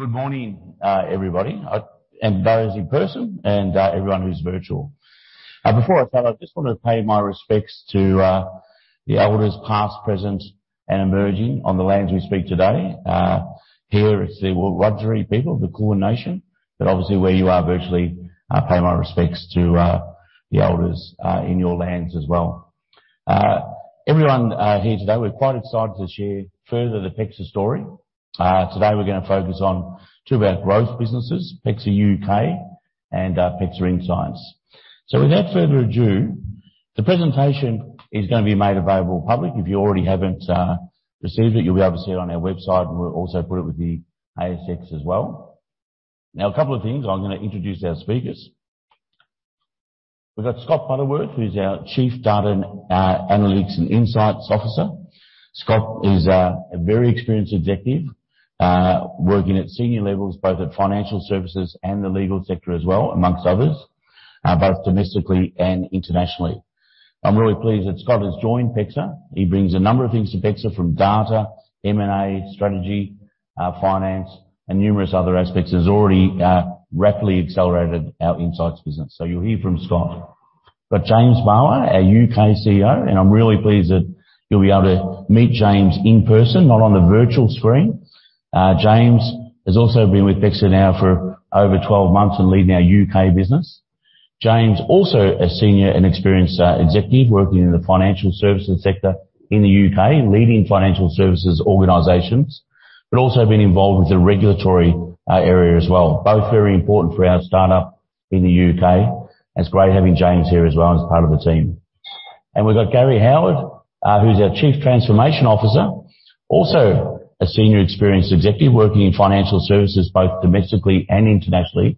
Good morning, everybody and those in person and everyone who's virtual. Before I start, I just want to pay my respects to the elders past, present, and emerging on the lands we speak today. Here it's the Wurundjeri people of the Kulin nation, but obviously where you are virtually, I pay my respects to the elders in your lands as well. Everyone here today, we're quite excited to share further the PEXA story. Today we're going to focus on two of our growth businesses, PEXA UK and PEXA Insights. Without further ado, the presentation is going to be made available public. If you already haven't received it, you'll be able to see it on our website, and we'll also put it with the ASX as well. Now, a couple of things. I'm going to introduce our speakers. We've got Scott Butterworth, who's our Chief Data and Analytics and Insights Officer. Scott is a very experienced executive working at senior levels, both at financial services and the legal sector as well, among others, both domestically and internationally. I'm really pleased that Scott has joined PEXA. He brings a number of things to PEXA from data, M&A, strategy, finance, and numerous other aspects, has already rapidly accelerated our insights business. You'll hear from Scott. Got James Bawa, our U.K. CEO, and I'm really pleased that you'll be able to meet James in person, not on a virtual screen. James has also been with PEXA now for over 12 months and leading our U.K. business. James, also a senior and experienced, executive working in the financial services sector in the UK and leading financial services organizations, but also been involved with the regulatory, area as well, both very important for our startup in the U.K. It's great having James here as well as part of the team. We've got Gary Howard, who's our Chief Transformation Officer, also a senior experienced executive working in financial services both domestically and internationally.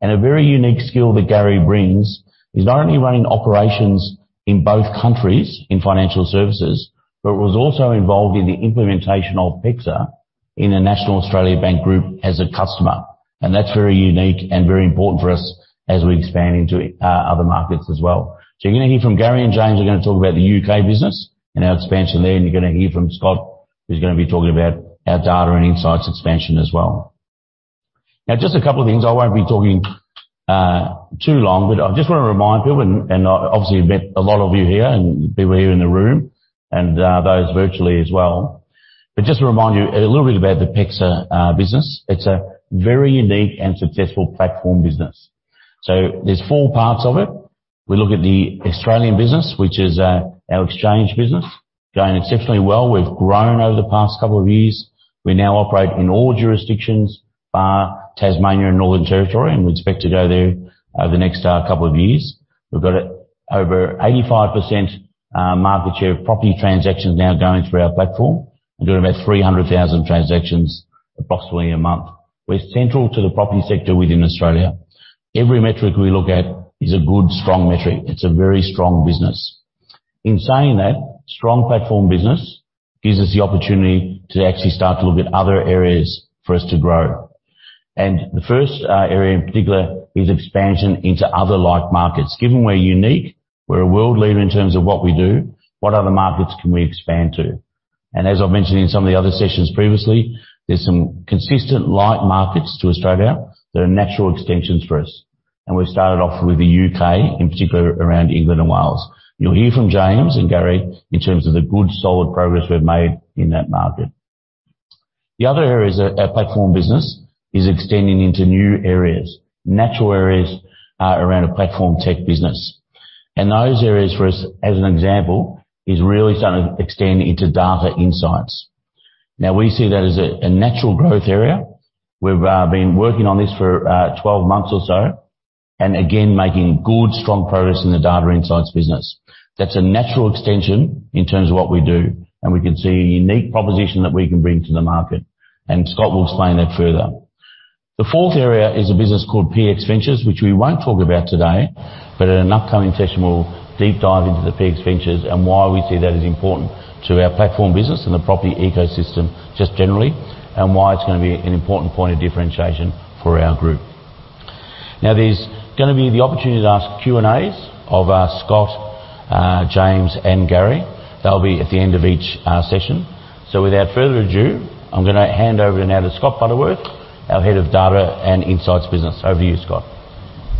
A very unique skill that Gary brings is not only running operations in both countries in financial services, but was also involved in the implementation of PEXA in the National Australia Bank group as a customer. That's very unique and very important for us as we expand into other markets as well. You're going to hear from Gary, and James is going to talk about the UK business and our expansion there. You're going to hear from Scott, who's going to be talking about our data and insights expansion as well. Now, just a couple of things. I won't be talking too long, but I just want to remind people and obviously I've met a lot of you here and people here in the room and those virtually as well. Just to remind you a little bit about the PEXA business. It's a very unique and successful platform business. There's four parts of it. We look at the Australian business, which is our exchange business. Going exceptionally well. We've grown over the past couple of years. We now operate in all jurisdictions, bar Tasmania and Northern Territory, and we expect to go there over the next couple of years. We've got over 85% market share of property transactions now going through our platform. We're doing about 300,000 transactions approximately a month. We're central to the property sector within Australia. Every metric we look at is a good, strong metric. It's a very strong business. In saying that, strong platform business gives us the opportunity to actually start to look at other areas for us to grow. The first area in particular is expansion into other like markets. Given we're unique, we're a world leader in terms of what we do, what other markets can we expand to? As I've mentioned in some of the other sessions previously, there's some consistent like markets to Australia that are natural extensions for us, and we've started off with the UK, in particular around England and Wales. You'll hear from James and Gary in terms of the good, solid progress we've made in that market. The other areas of our platform business is extending into new areas, natural areas, around a platform tech business. Those areas for us, as an example, is really starting to extend into data insights. Now, we see that as a natural growth area. We've been working on this for 12 months or so, and again, making good, strong progress in the data insights business. That's a natural extension in terms of what we do, and we can see a unique proposition that we can bring to the market, and Scott will explain that further. The fourth area is a business called PEXA Ventures, which we won't talk about today, but in an upcoming session, we'll deep dive into the PEXA Ventures and why we see that as important to our platform business and the property ecosystem just generally, and why it's going to be an important point of differentiation for our group. Now, there's going to be the opportunity to ask Q&As of, Scott, James, and Gary. That'll be at the end of each session. Without further ado, I'm going to hand over now to Scott Butterworth, our head of data and insights business. Over to you, Scott.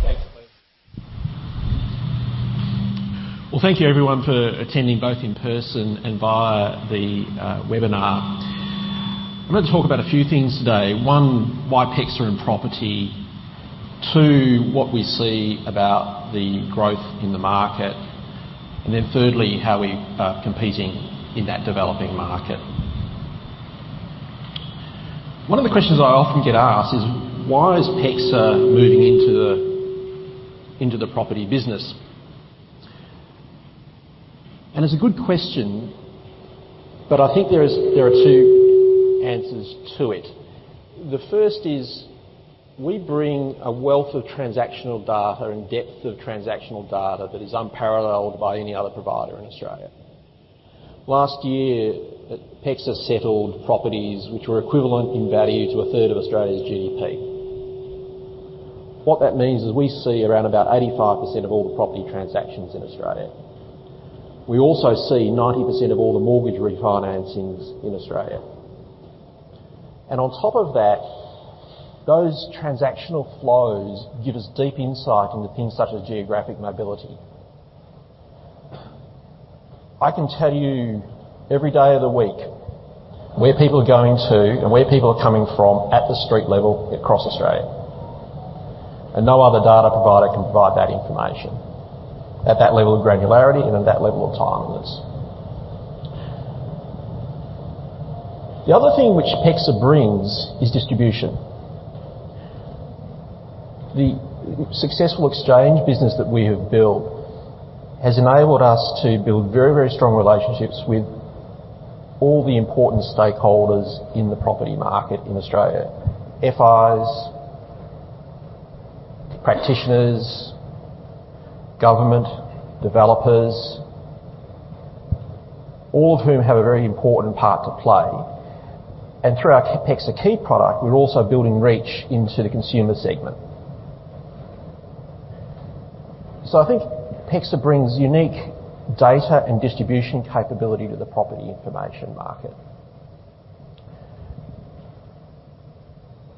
Thanks, Glenn. Well, thank you everyone for attending both in person and via the webinar. I'm going to talk about a few things today. One, why PEXA in property. Two, what we see about the growth in the market. Thirdly, how we are competing in that developing market. One of the questions I often get asked is. Why is PEXA moving into the property business? It's a good question, but I think there are two answers to it. The first is we bring a wealth of transactional data and depth of transactional data that is unparalleled by any other provider in Australia. Last year, PEXA settled properties which were equivalent in value to a third of Australia's GDP. What that means is we see around about 85% of all the property transactions in Australia. We also see 90% of all the mortgage refinancings in Australia. On top of that, those transactional flows give us deep insight into things such as geographic mobility. I can tell you every day of the week where people are going to and where people are coming from at the street level across Australia. No other data provider can provide that information at that level of granularity and at that level of timeliness. The other thing which PEXA brings is distribution. The successful exchange business that we have built has enabled us to build very, very strong relationships with all the important stakeholders in the property market in Australia, FIs, practitioners, government, developers, all of whom have a very important part to play. Through our PEXA Key product, we're also building reach into the consumer segment. I think PEXA brings unique data and distribution capability to the property information market.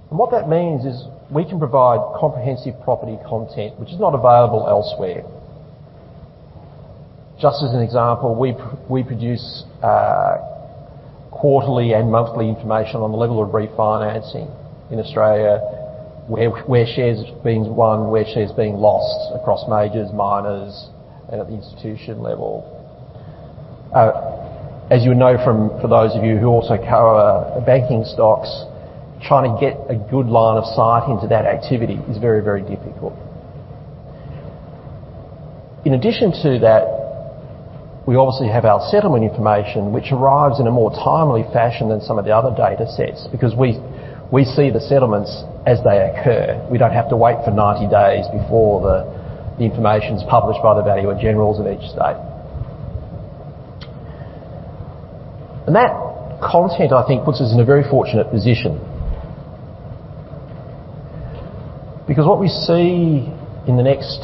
What that means is we can provide comprehensive property content which is not available elsewhere. Just as an example, we produce quarterly and monthly information on the level of refinancing in Australia, where shares being won, where shares being lost across majors, minors, and at the institution level. As you know, for those of you who also cover banking stocks, trying to get a good line of sight into that activity is very, very difficult. In addition to that, we obviously have our settlement information, which arrives in a more timely fashion than some of the other datasets, because we see the settlements as they occur. We don't have to wait for 90 days before the information's published by the Valuer-Generals of each state. that content, I think, puts us in a very fortunate position. Because what we see in the next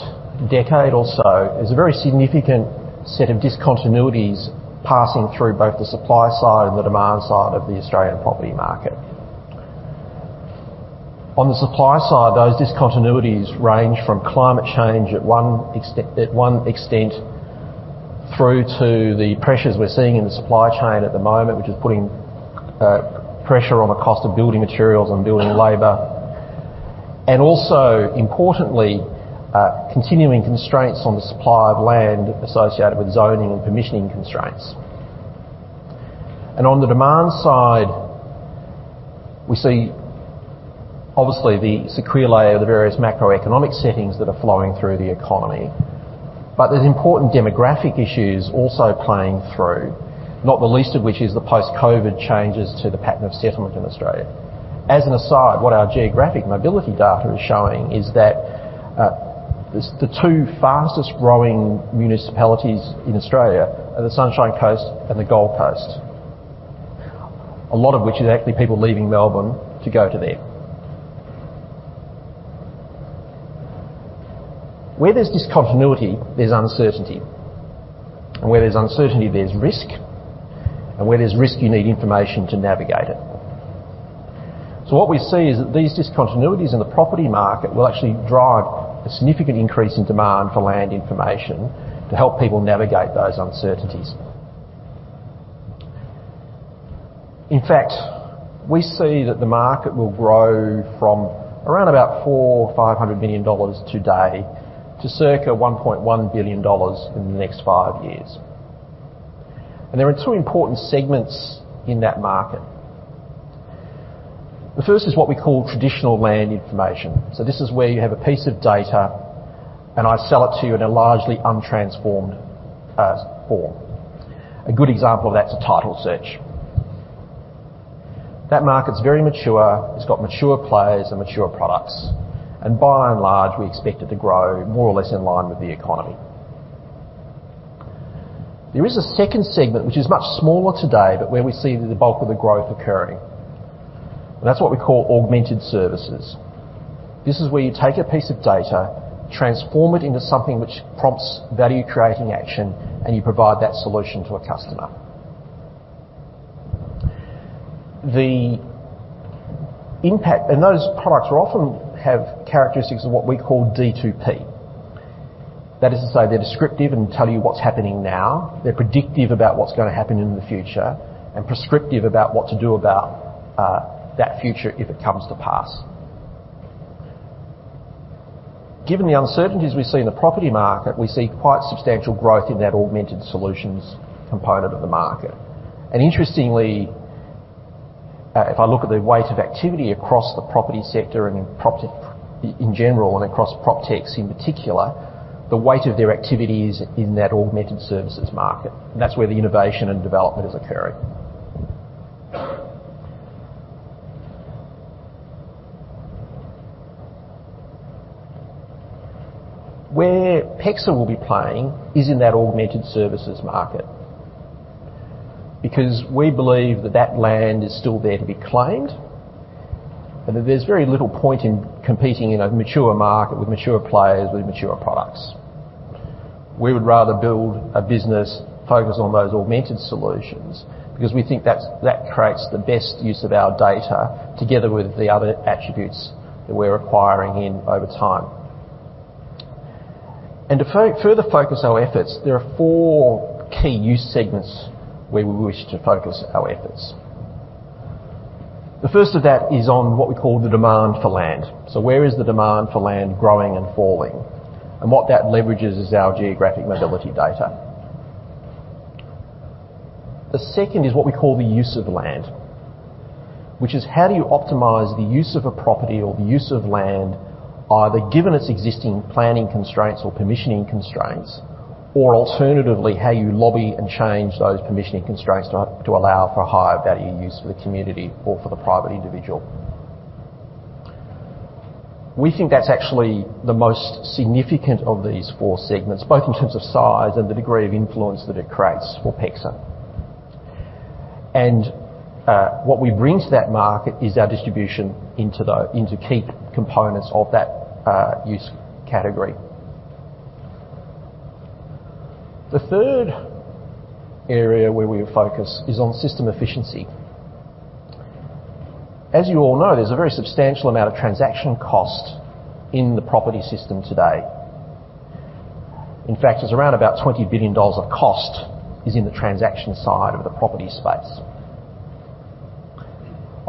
decade or so is a very significant set of discontinuities passing through both the supply side and the demand side of the Australian property market. On the supply side, those discontinuities range from climate change at one extent, through to the pressures we're seeing in the supply chain at the moment, which is putting pressure on the cost of building materials and building labor, and also, importantly, continuing constraints on the supply of land associated with zoning and permissioning constraints. on the demand side, we see obviously the sequela of the various macroeconomic settings that are flowing through the economy. there's important demographic issues also playing through, not the least of which is the post-COVID changes to the pattern of settlement in Australia. As an aside, what our geographic mobility data is showing is that the two fastest growing municipalities in Australia are the Sunshine Coast and the Gold Coast, a lot of which is actually people leaving Melbourne to go there. Where there's discontinuity, there's uncertainty. Where there's uncertainty, there's risk. Where there's risk, you need information to navigate it. What we see is that these discontinuities in the property market will actually drive a significant increase in demand for land information to help people navigate those uncertainties. In fact, we see that the market will grow from around about $450 million today to circa $1.1 billion in the next five years. There are two important segments in that market. The first is what we call traditional land information. This is where you have a piece of data, and I sell it to you in a largely untransformed form. A good example of that's a title search. That market's very mature. It's got mature players and mature products. By and large, we expect it to grow more or less in line with the economy. There is a second segment, which is much smaller today, but where we see the bulk of the growth occurring. That's what we call augmented services. This is where you take a piece of data, transform it into something which prompts value-creating action, and you provide that solution to a customer. Those products are often have characteristics of what we call D2P. That is to say, they're descriptive and tell you what's happening now. They're predictive about what's going to happen in the future, and prescriptive about what to do about that future if it comes to pass. Given the uncertainties we see in the property market, we see quite substantial growth in that augmented solutions component of the market. Interestingly, if I look at the weight of activity across the property sector and in property in general and across PropTechs in particular, the weight of their activity is in that augmented services market, and that's where the innovation and development is occurring. Where PEXA will be playing is in that augmented services market, because we believe that that land is still there to be claimed, and that there's very little point in competing in a mature market with mature players with mature products. We would rather build a business focused on those augmented solutions, because we think that creates the best use of our data together with the other attributes that we're acquiring over time. To further focus our efforts, there are four key use segments where we wish to focus our efforts. The first of that is on what we call the demand for land. Where is the demand for land growing and falling? What that leverages is our geographic mobility data. The second is what we call the use of land, which is how do you optimize the use of a property or the use of land, either given its existing planning constraints or permitting constraints, or alternatively, how you lobby and change those permitting constraints to allow for higher value use for the community or for the private individual. We think that's actually the most significant of these four segments, both in terms of size and the degree of influence that it creates for PEXA. What we bring to that market is our distribution into key components of that use category. The third area where we focus is on system efficiency. As you all know, there's a very substantial amount of transaction cost in the property system today. In fact, there's around about 20 billion dollars of costs in the transaction side of the property space.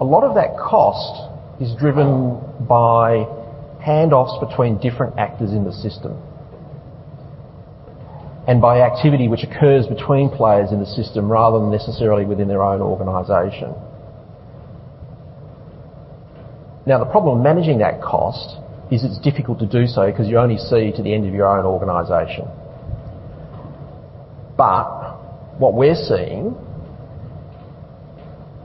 A lot of that cost is driven by handoffs between different actors in the system and by activity which occurs between players in the system rather than necessarily within their own organization. Now, the problem managing that cost is it's difficult to do so because you only see to the end of your own organization. what we're seeing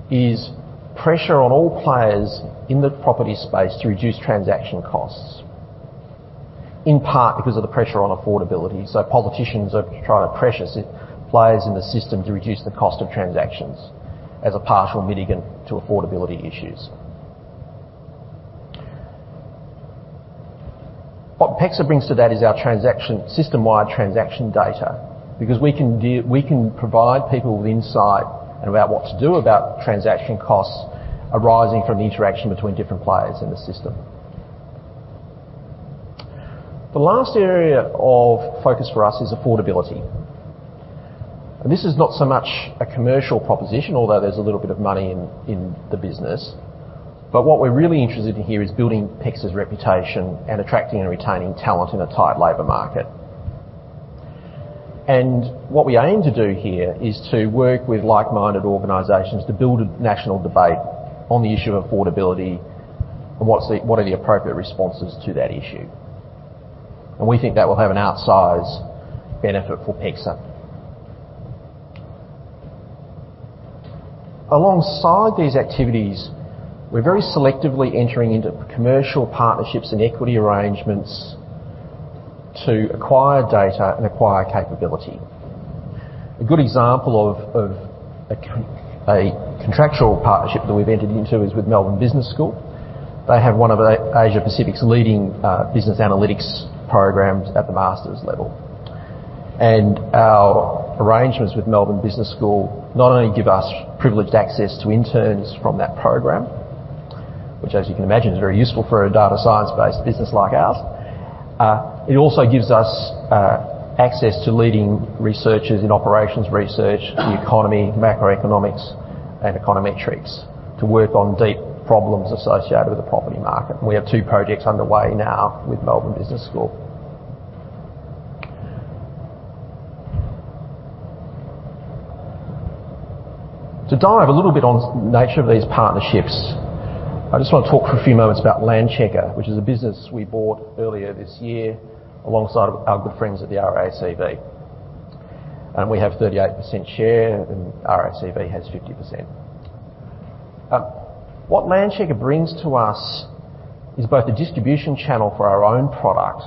is pressure on all players in the property space to reduce transaction costs, in part because of the pressure on affordability. Politicians are trying to pressure players in the system to reduce the cost of transactions as a partial mitigant to affordability issues. What PEXA brings to that is our system-wide transaction data, because we can provide people with insights into what to do about transaction costs arising from the interaction between different players in the system. The last area of focus for us is affordability. This is not so much a commercial proposition, although there's a little bit of money in the business. What we're really interested in here is building PEXA's reputation and attracting and retaining talent in a tight labor market. What we aim to do here is to work with like-minded organizations to build a national debate on the issue of affordability and what are the appropriate responses to that issue. We think that will have an outsize benefit for PEXA. Alongside these activities, we're very selectively entering into commercial partnerships and equity arrangements to acquire data and acquire capability. A good example of a contractual partnership that we've entered into is with Melbourne Business School. They have one of Asia Pacific's leading business analytics programs at the master's level. Our arrangements with Melbourne Business School not only give us privileged access to interns from that program, which as you can imagine, is very useful for a data science-based business like ours. It also gives us access to leading researchers in operations research, the economy, macroeconomics, and econometrics to work on deep problems associated with the property market. We have 2 projects underway now with Melbourne Business School. To dive a little bit on nature of these partnerships, I just want to talk for a few moments about Landchecker, which is a business we bought earlier this year alongside of our good friends at the RACV. We have 38% share, and RACV has 50%. What Landchecker brings to us is both a distribution channel for our own product,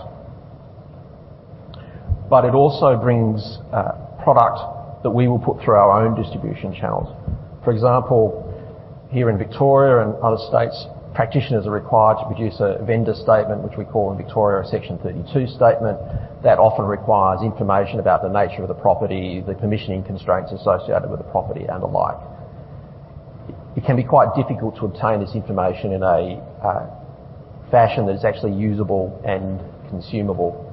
but it also brings product that we will put through our own distribution channels. For example, here in Victoria and other states, practitioners are required to produce a vendor statement, which we call in Victoria a Section 32 statement, that often requires information about the nature of the property, the planning constraints associated with the property, and the like. It can be quite difficult to obtain this information in a fashion that is actually usable and consumable.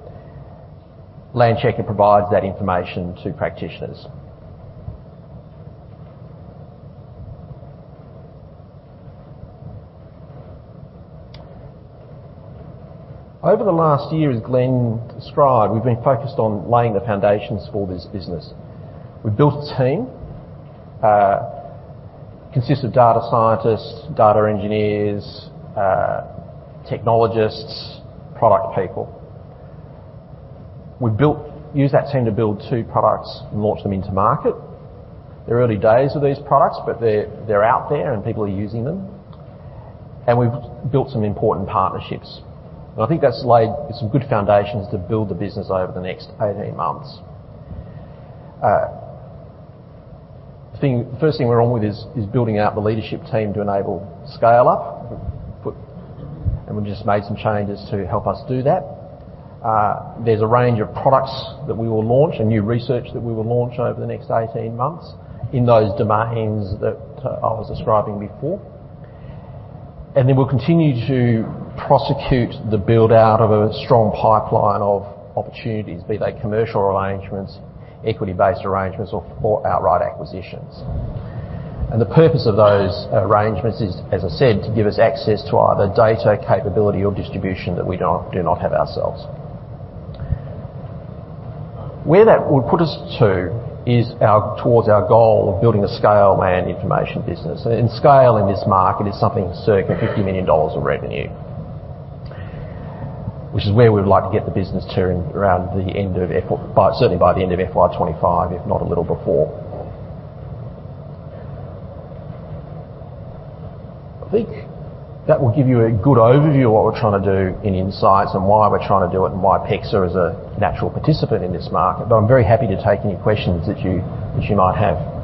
Landchecker provides that information to practitioners. Over the last year, as Glenn described, we've been focused on laying the foundations for this business. We built a team consists of data scientists, data engineers, technologists, product people. We used that team to build two products and launch them into market. They're early days of these products, but they're out there and people are using them. We've built some important partnerships. I think that's laid some good foundations to build the business over the next 18 months. First thing we're on with is building out the leadership team to enable scale-up. We've just made some changes to help us do that. There's a range of products that we will launch and new research that we will launch over the next 18 months in those domains that I was describing before. Then we'll continue to prosecute the build-out of a strong pipeline of opportunities, be they commercial arrangements, equity-based arrangements or outright acquisitions. The purpose of those arrangements is, as I said, to give us access to either data capability or distribution that we do not have ourselves. Where that will put us to is towards our goal of building a scale land information business. Scale in this market is something circa 50 million dollars of revenue. Which is where we would like to get the business to around the end of FY, certainly by the end of FY25, if not a little before. I think that will give you a good overview of what we're trying to do in PEXA Insights and why we're trying to do it, and why PEXA is a natural participant in this market. I'm very happy to take any questions that you might have.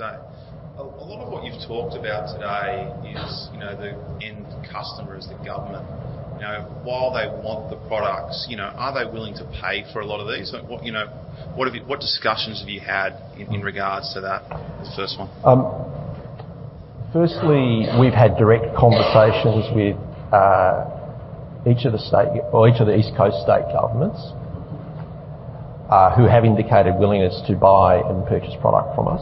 You can put it louder. Mm-hmm. Sorry. Thank you. Ed Henning from CLSA. A lot of what you've talked about today is, you know, the end customer is the government. Now, while they want the products, you know, are they willing to pay for a lot of these? Like, what, you know, what discussions have you had in regards to that? The first one. First, we've had direct conversations with each of the East Coast state governments, who have indicated willingness to buy and purchase product from us.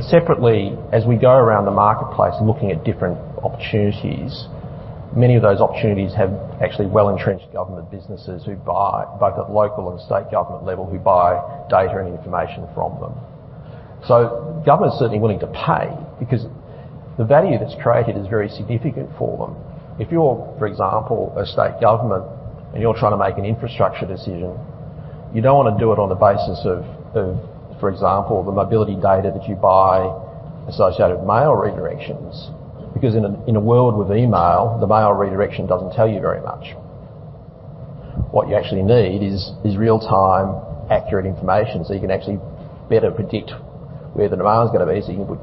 Separately, as we go around the marketplace looking at different opportunities, many of those opportunities have actually well-entrenched government businesses who buy, both at local and state government level, who buy data and information from them. Government's certainly willing to pay because the value that's created is very significant for them. If you're, for example, a state government, and you're trying to make an infrastructure decision, you don't want to do it on the basis of, for example, the mobility data that you buy associated with mail redirections. Because in a world with email, the mail redirection doesn't tell you very much. What you actually need is real-time accurate information, so you can actually better predict where the demand is going to be, so you would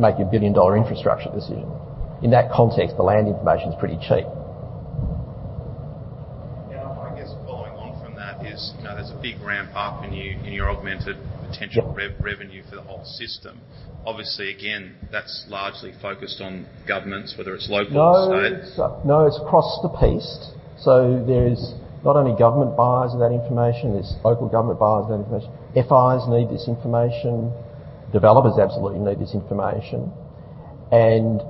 make your billion-dollar infrastructure decision. In that context, the land information is pretty cheap. Now, I guess following on from that is, you know, there's a big ramp up in your augmented potential revenue for the whole system. Obviously, again, that's largely focused on governments, whether it's local or state. No, it's across the piece. There is not only government buyers of that information, there's local government buyers of that information. FIs need this information, developers absolutely need this information and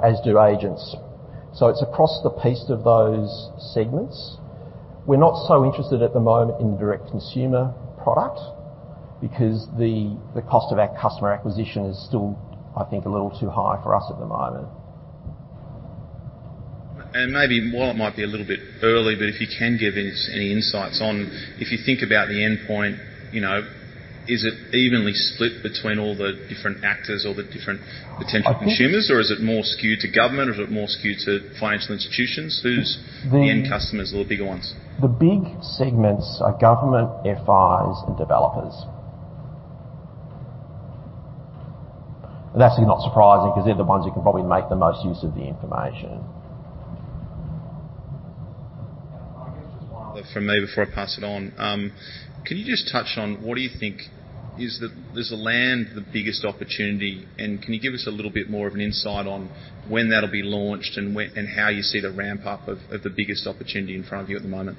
as do agents. It's across the piece of those segments. We're not so interested at the moment in the direct-to-consumer product because the cost of our customer acquisition is still, I think, a little too high for us at the moment. Maybe, while it might be a little bit early, but if you can give any insights on if you think about the endpoint, you know, is it evenly split between all the different actors or the different potential consumers? I think this- Is it more skewed to government or is it more skewed to financial institutions? Who's- The- the end customers or the bigger ones? The big segments are government, FIs and developers. That's not surprising 'cause they're the ones who can probably make the most use of the information. I guess just one other from me before I pass it on. Could you just touch on what do you think is the land the biggest opportunity? Can you give us a little bit more of an insight on when that'll be launched and how you see the ramp up of the biggest opportunity in front of you at the moment?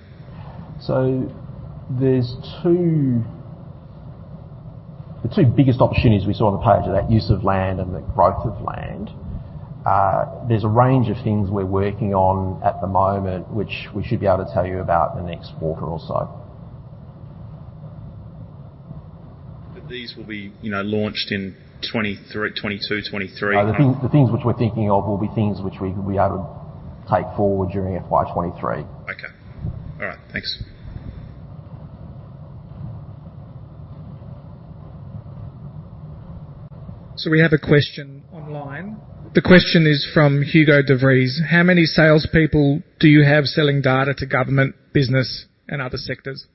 The two biggest opportunities we saw in the space are the use of land and the growth of land. There's a range of things we're working on at the moment, which we should be able to tell you about in the next quarter or so. These will be, you know, launched in 2022, 2023? No. The things which we're thinking of will be things which we are to take forward during FY23. Okay. All right. Thanks. We have a question online. The question is from Hugo de Vries: How many salespeople do you have selling data to government, business and other sectors?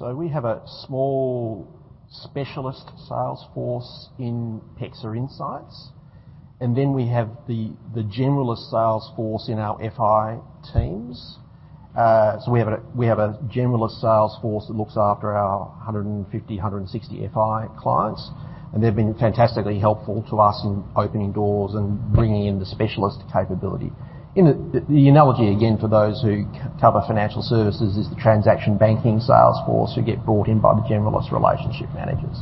We have a small specialist sales force in PEXA Insights, and then we have the generalist sales force in our FI teams. We have a generalist sales force that looks after our 150-160 FI clients, and they've been fantastically helpful to us in opening doors and bringing in the specialist capability. The analogy, again, for those who cover financial services is the transaction banking sales force who get brought in by the generalist relationship managers.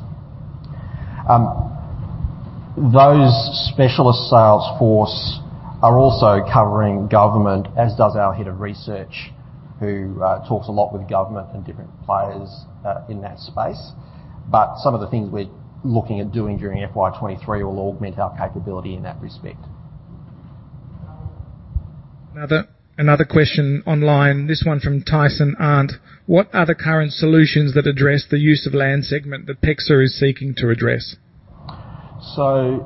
Those specialist sales force are also covering government, as does our head of research, who talks a lot with government and different players in that space. Some of the things we're looking at doing during FY23 will augment our capability in that respect. Another question online, this one from Tyson Arndt. What are the current solutions that address the use of land segment that PEXA is seeking to address? The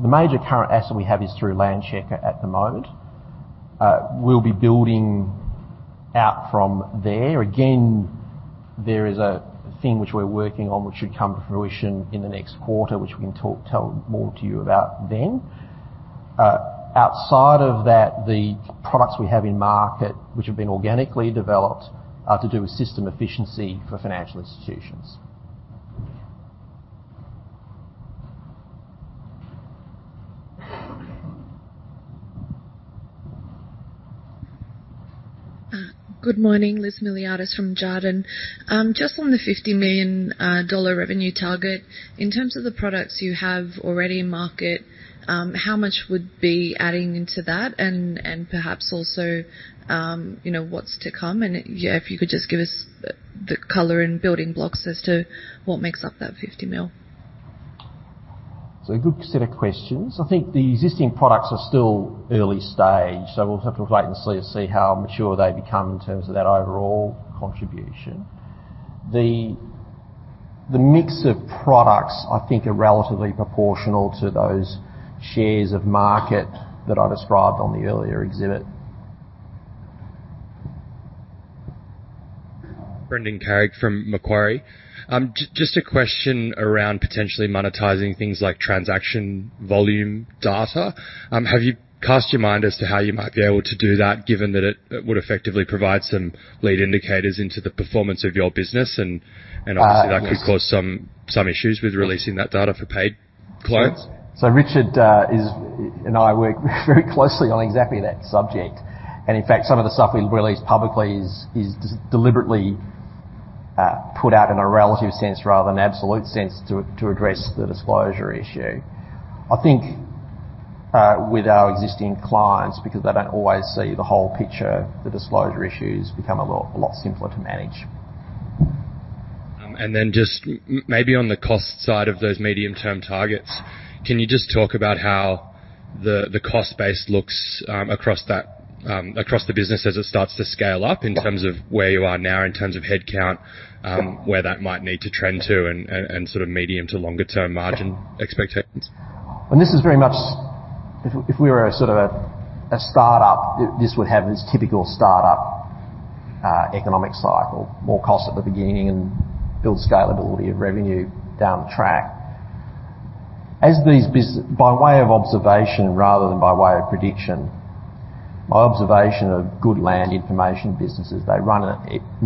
major current asset we have is through Landchecker at the moment. We'll be building out from there. Again, there is a thing which we're working on which should come to fruition in the next quarter, which we can tell more to you about then. Outside of that, the products we have in market, which have been organically developed, are to do with system efficiency for financial institutions. Good morning. Elizabeth Miliatis from Jarden. Just on the 50 million dollar revenue target. In terms of the products you have already in market, how much would be adding into that? Perhaps also, you know, what's to come? If you could just give us the color and building blocks as to what makes up that 50 million. It's a good set of questions. I think the existing products are still early stage, so we'll have to wait and see how mature they become in terms of that overall contribution. The mix of products, I think, are relatively proportional to those shares of market that I described on the earlier exhibit. Brendan Carrigy from Macquarie. Just a question around potentially monetizing things like transaction volume data. Have you cast your mind to how you might be able to do that, given that it would effectively provide some lead indicators into the performance of your business? Obviously that could cause some issues with releasing that data for paid clients. Richard, and I work very closely on exactly that subject. In fact, some of the stuff we release publicly is deliberately put out in a relative sense rather than absolute sense to address the disclosure issue. I think, with our existing clients, because they don't always see the whole picture, the disclosure issues become a lot simpler to manage. Just maybe on the cost side of those medium-term targets, can you just talk about how the cost base looks across the business as it starts to scale up in terms of where you are now, in terms of headcount, where that might need to trend to and sort of medium to longer term margin expectations? This is very much if we were a sort of a startup, this would have this typical startup economic cycle. More cost at the beginning and build scalability of revenue down the track. By way of observation rather than by way of prediction, my observation of good land information businesses, they run a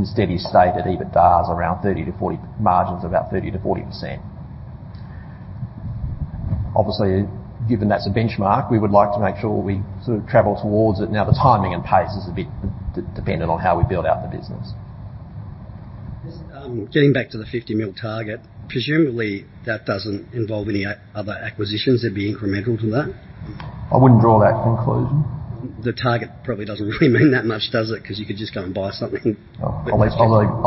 steady state at EBITDA around 30-40-- margins of about 30%-40%. Obviously, given that's a benchmark, we would like to make sure we sort of travel towards it. Now, the timing and pace is a bit dependent on how we build out the business. Just, getting back to the 50 million target. Presumably, that doesn't involve any other acquisitions, it'd be incremental to that? I wouldn't draw that conclusion. The target probably doesn't really mean that much, does it? 'Cause you could just go and buy something. I'll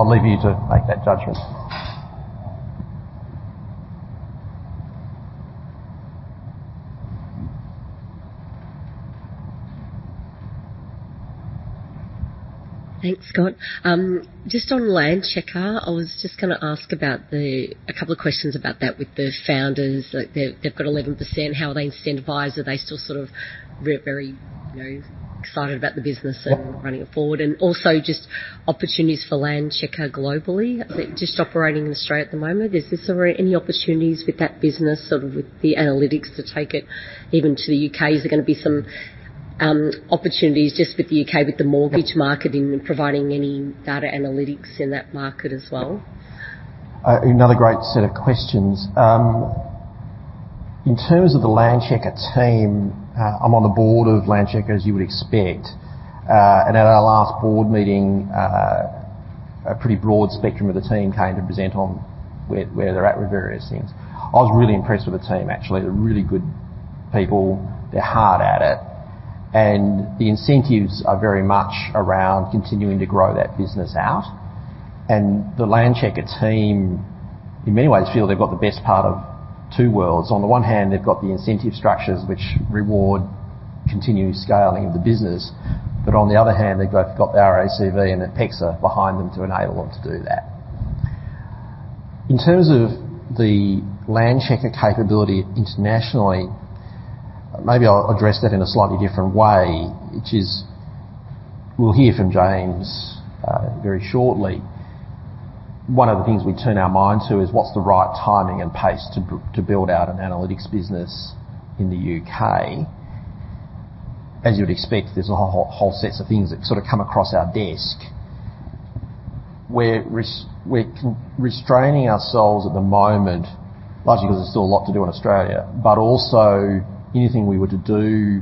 leave you to make that judgment. Thanks, Scott. Just on Landchecker, I was just going to ask about a couple of questions about that with the founders. Like, they've got 11%. How are they incentivized? Are they still sort of really very, you know, excited about the business and running it forward? Also just opportunities for Landchecker globally. Is it just operating in Australia at the moment? Is there any opportunities with that business or with the analytics to take it even to the U.K? Is there going to be some opportunities just with the U.K, with the mortgage market in providing any data analytics in that market as well? Another great set of questions. In terms of the Landchecker team, I'm on the board of Landchecker, as you would expect. At our last board meeting, a pretty broad spectrum of the team came to present on where they're at with various things. I was really impressed with the team, actually. They're really good people. They're hard at it. The incentives are very much around continuing to grow that business out. The Landchecker team, in many ways, feel they've got the best part of two worlds. On the one hand, they've got the incentive structures which reward continuous scaling of the business. But on the other hand, they've both got the RACV and the PEXA behind them to enable them to do that. In terms of the Landchecker capability internationally, maybe I'll address that in a slightly different way, which is we'll hear from James very shortly. One of the things we turn our mind to is what's the right timing and pace to build out an analytics business in the U.K? As you would expect, there's a whole set of things that sort of come across our desk. We're restraining ourselves at the moment, largely because there's still a lot to do in Australia. But also anything we were to do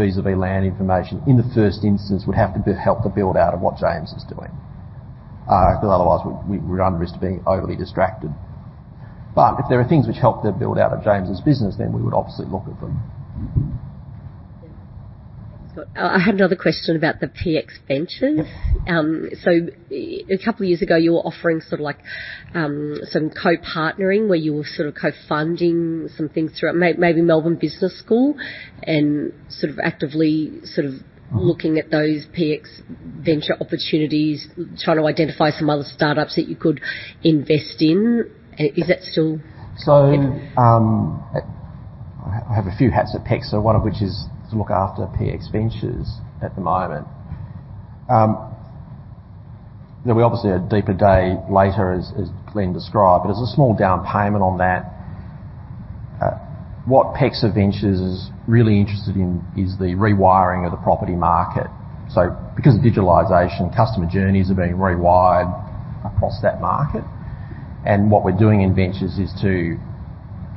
vis-à-vis land information in the first instance would have to help the build out of what James is doing. Because otherwise we run the risk of being overly distracted. But if there are things which help the build out of James' business, then we would obviously look at them. I had another question about the PX Ventures. A couple of years ago, you were offering sort of like some co-partnering where you were sort of co-funding some things through maybe Melbourne Business School and sort of actively sort of looking at those PX Venture opportunities, trying to identify some other startups that you could invest in. Is that still- I have a few hats at PEXA, one of which is to look after PEXA Ventures at the moment. There'll be obviously a deeper dive later, as Glenn described, but as a small down payment on that, what PEXA Ventures is really interested in is the rewiring of the property market. Because of digitalization, customer journeys are being rewired across that market. What we're doing in Ventures is to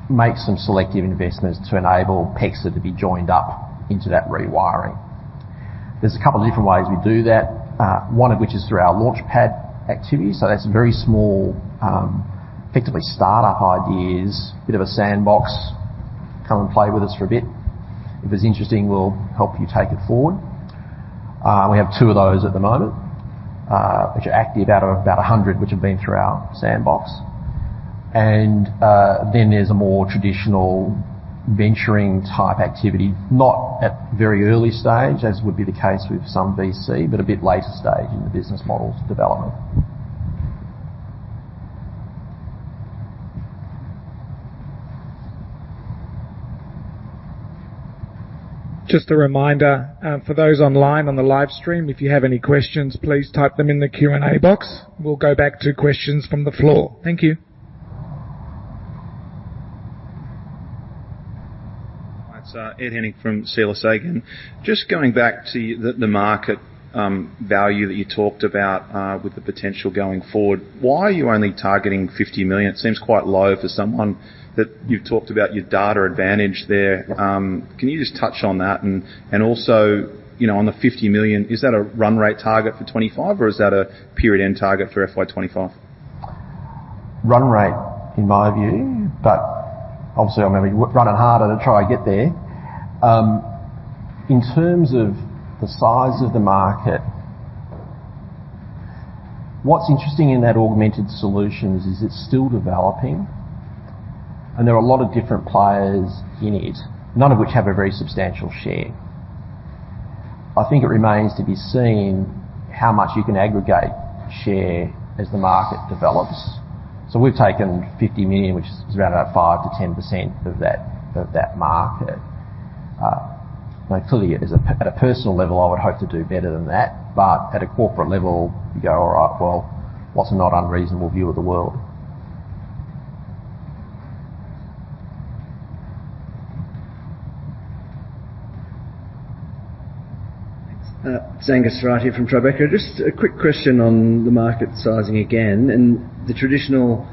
make some selective investments to enable PEXA to be joined up into that rewiring. There's a couple of different ways we do that, one of which is through our launch pad activity. That's very small, effectively startup ideas, bit of a sandbox, come and play with us for a bit. If it's interesting, we'll help you take it forward. We have two of those at the moment, which are active out of about 100 which have been through our sandbox. Then there's a more traditional venturing type activity, not at very early stage as would be the case with some VC, but a bit later stage in the business models development. Just a reminder, for those online on the live stream, if you have any questions, please type them in the Q&A box. We'll go back to questions from the floor. Thank you. It's Ed Henning from CLSA. Just going back to the market value that you talked about with the potential going forward. Why are you only targeting 50 million? It seems quite low for someone that you've talked about your data advantage there. Can you just touch on that? Also, you know, on the 50 million, is that a run rate target for 2025 or is that a period end target for FY 2025? Run rate in my view, but obviously I'm going to be running harder to try and get there. In terms of the size of the market, what's interesting in that augmented solutions is it's still developing and there are a lot of different players in it, none of which have a very substantial share. I think it remains to be seen how much you can aggregate share as the market develops. We've taken 50 million, which is around about 5%-10% of that, of that market. Now clearly at a personal level, I would hope to do better than that. At a corporate level, you go, "All right, well, what's a not unreasonable view of the world? It's Angus Wright here from Tribeca Investment Partners. Just a quick question on the market sizing again. In the traditional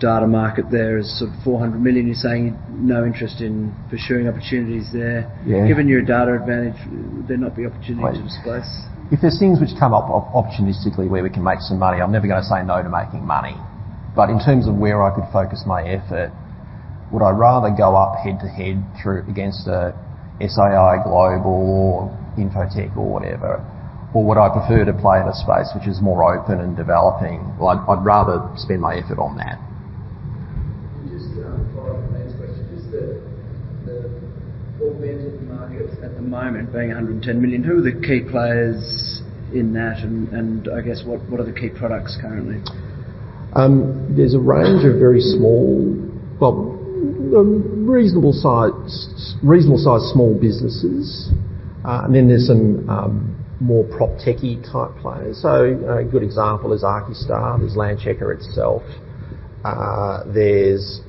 data market, there is sort of 400 million. You're saying no interest in pursuing opportunities there. Yeah. Given your data advantage, would there not be opportunity to displace? If there's things which come up opportunistically where we can make some money, I'm never going to say no to making money. In terms of where I could focus my effort, would I rather go head to head up against SAI Global or InfoTrack or whatever? Would I prefer to play in a space which is more open and developing? Well, I'd rather spend my effort on that. Just following up on Ed's question, just the adjacent markets at the moment being 110 million, who are the key players in that and I guess what are the key products currently? There's a range of very small, well, reasonable sized small businesses. Then there's some more prop techy type players. A good example is Archistar, there's Landchecker itself. There's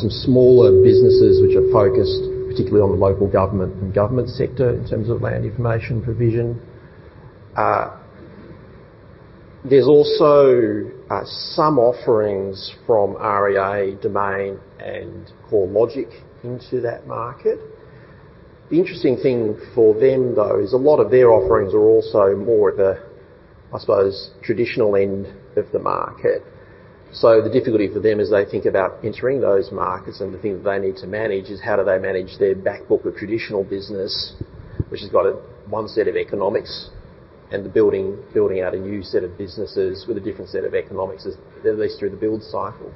some smaller businesses which are focused particularly on the local government and government sector in terms of land information provision. There's also some offerings from REA, Domain, and CoreLogic into that market. The interesting thing for them, though, is a lot of their offerings are also more at the, I suppose, traditional end of the market. The difficulty for them as they think about entering those markets and the thing that they need to manage is how do they manage their back book of traditional business, which has got one set of economics and the building out a new set of businesses with a different set of economics, at least through the build cycle.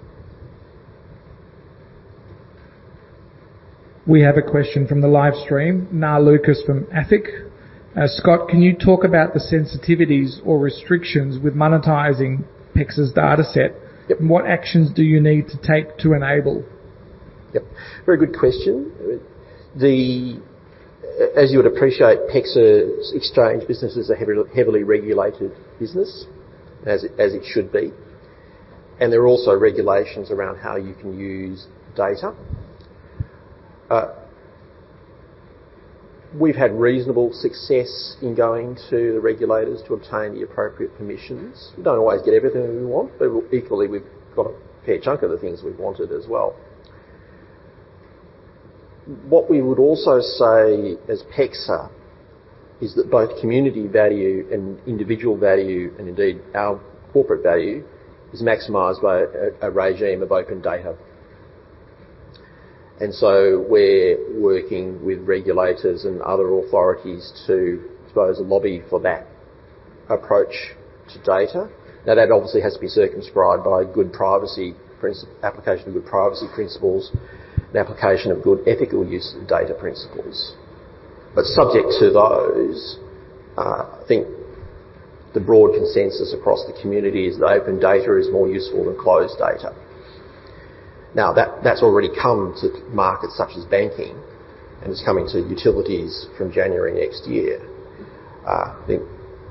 We have a question from the live stream. Neil Lucas from E&P. Scott, can you talk about the sensitivities or restrictions with monetizing PEXA's data set? Yep. What actions do you need to take to enable? Yep. Very good question. The, as you would appreciate, PEXA's exchange business is a heavy, heavily regulated business as it should be. There are also regulations around how you can use data. We've had reasonable success in going to the regulators to obtain the appropriate permissions. We don't always get everything that we want, but equally, we've got a fair chunk of the things we've wanted as well. What we would also say as PEXA is that both community value and individual value, and indeed our corporate value, is maximized by a regime of open data. We're working with regulators and other authorities to, I suppose, lobby for that approach to data. Now, that obviously has to be circumscribed by good privacy application of good privacy principles and application of good ethical use of data principles. Subject to those, I think the broad consensus across the community is that open data is more useful than closed data. Now that's already come to markets such as banking, and it's coming to utilities from January next year. I think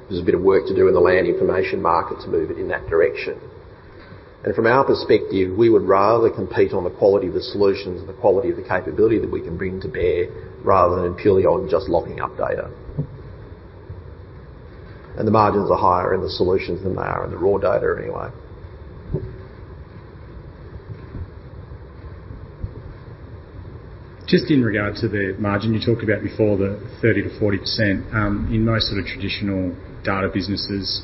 there's a bit of work to do in the land information market to move it in that direction. From our perspective, we would rather compete on the quality of the solutions and the quality of the capability that we can bring to bear rather than purely on just locking up data. The margins are higher in the solutions than they are in the raw data anyway. Just in regard to the margin you talked about before, the 30%-40%. In most of the traditional data businesses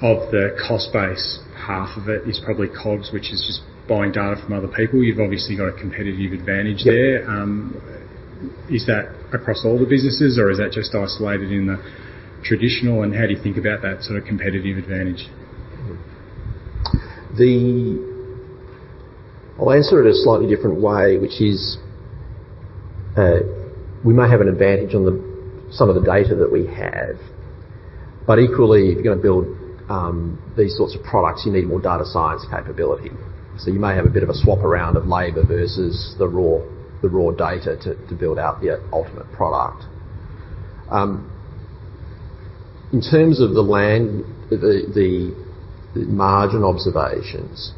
of the cost base, half of it is probably COGS, which is just buying data from other people. You've obviously got a competitive advantage there. Is that across all the businesses or is that just isolated in the traditional, and how do you think about that sort of competitive advantage? I'll answer it a slightly different way, which is, we may have an advantage on some of the data that we have, but equally, if you're going to build these sorts of products, you need more data science capability. So you may have a bit of a swap around of labor versus the raw data to build out the ultimate product. In terms of the land, the margin observations,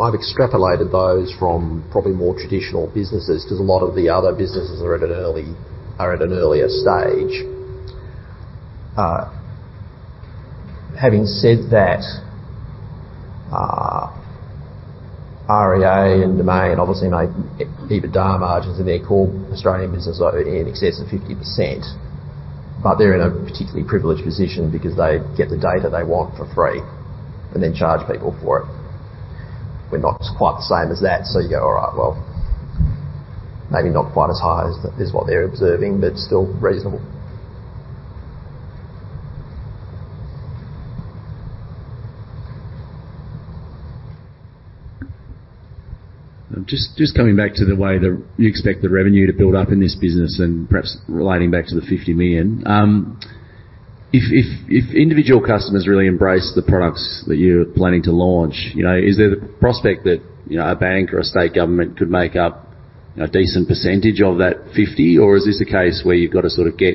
I've extrapolated those from probably more traditional businesses 'cause a lot of the other businesses are at an earlier stage. Having said that, REA and Domain obviously make EBITDA margins in their core Australian business are in excess of 50%, but they're in a particularly privileged position because they get the data they want for free and then charge people for it. We're not quite the same as that, so you go, "All right, well, maybe not quite as high as what they're observing, but still reasonable. Just coming back to the way that you expect the revenue to build up in this business and perhaps relating back to the 50 million. If individual customers really embrace the products that you're planning to launch, you know, is there the prospect that, you know, a bank or a state government could make up, you know, a decent percentage of that 50 million? Or is this a case where you've got to sort of get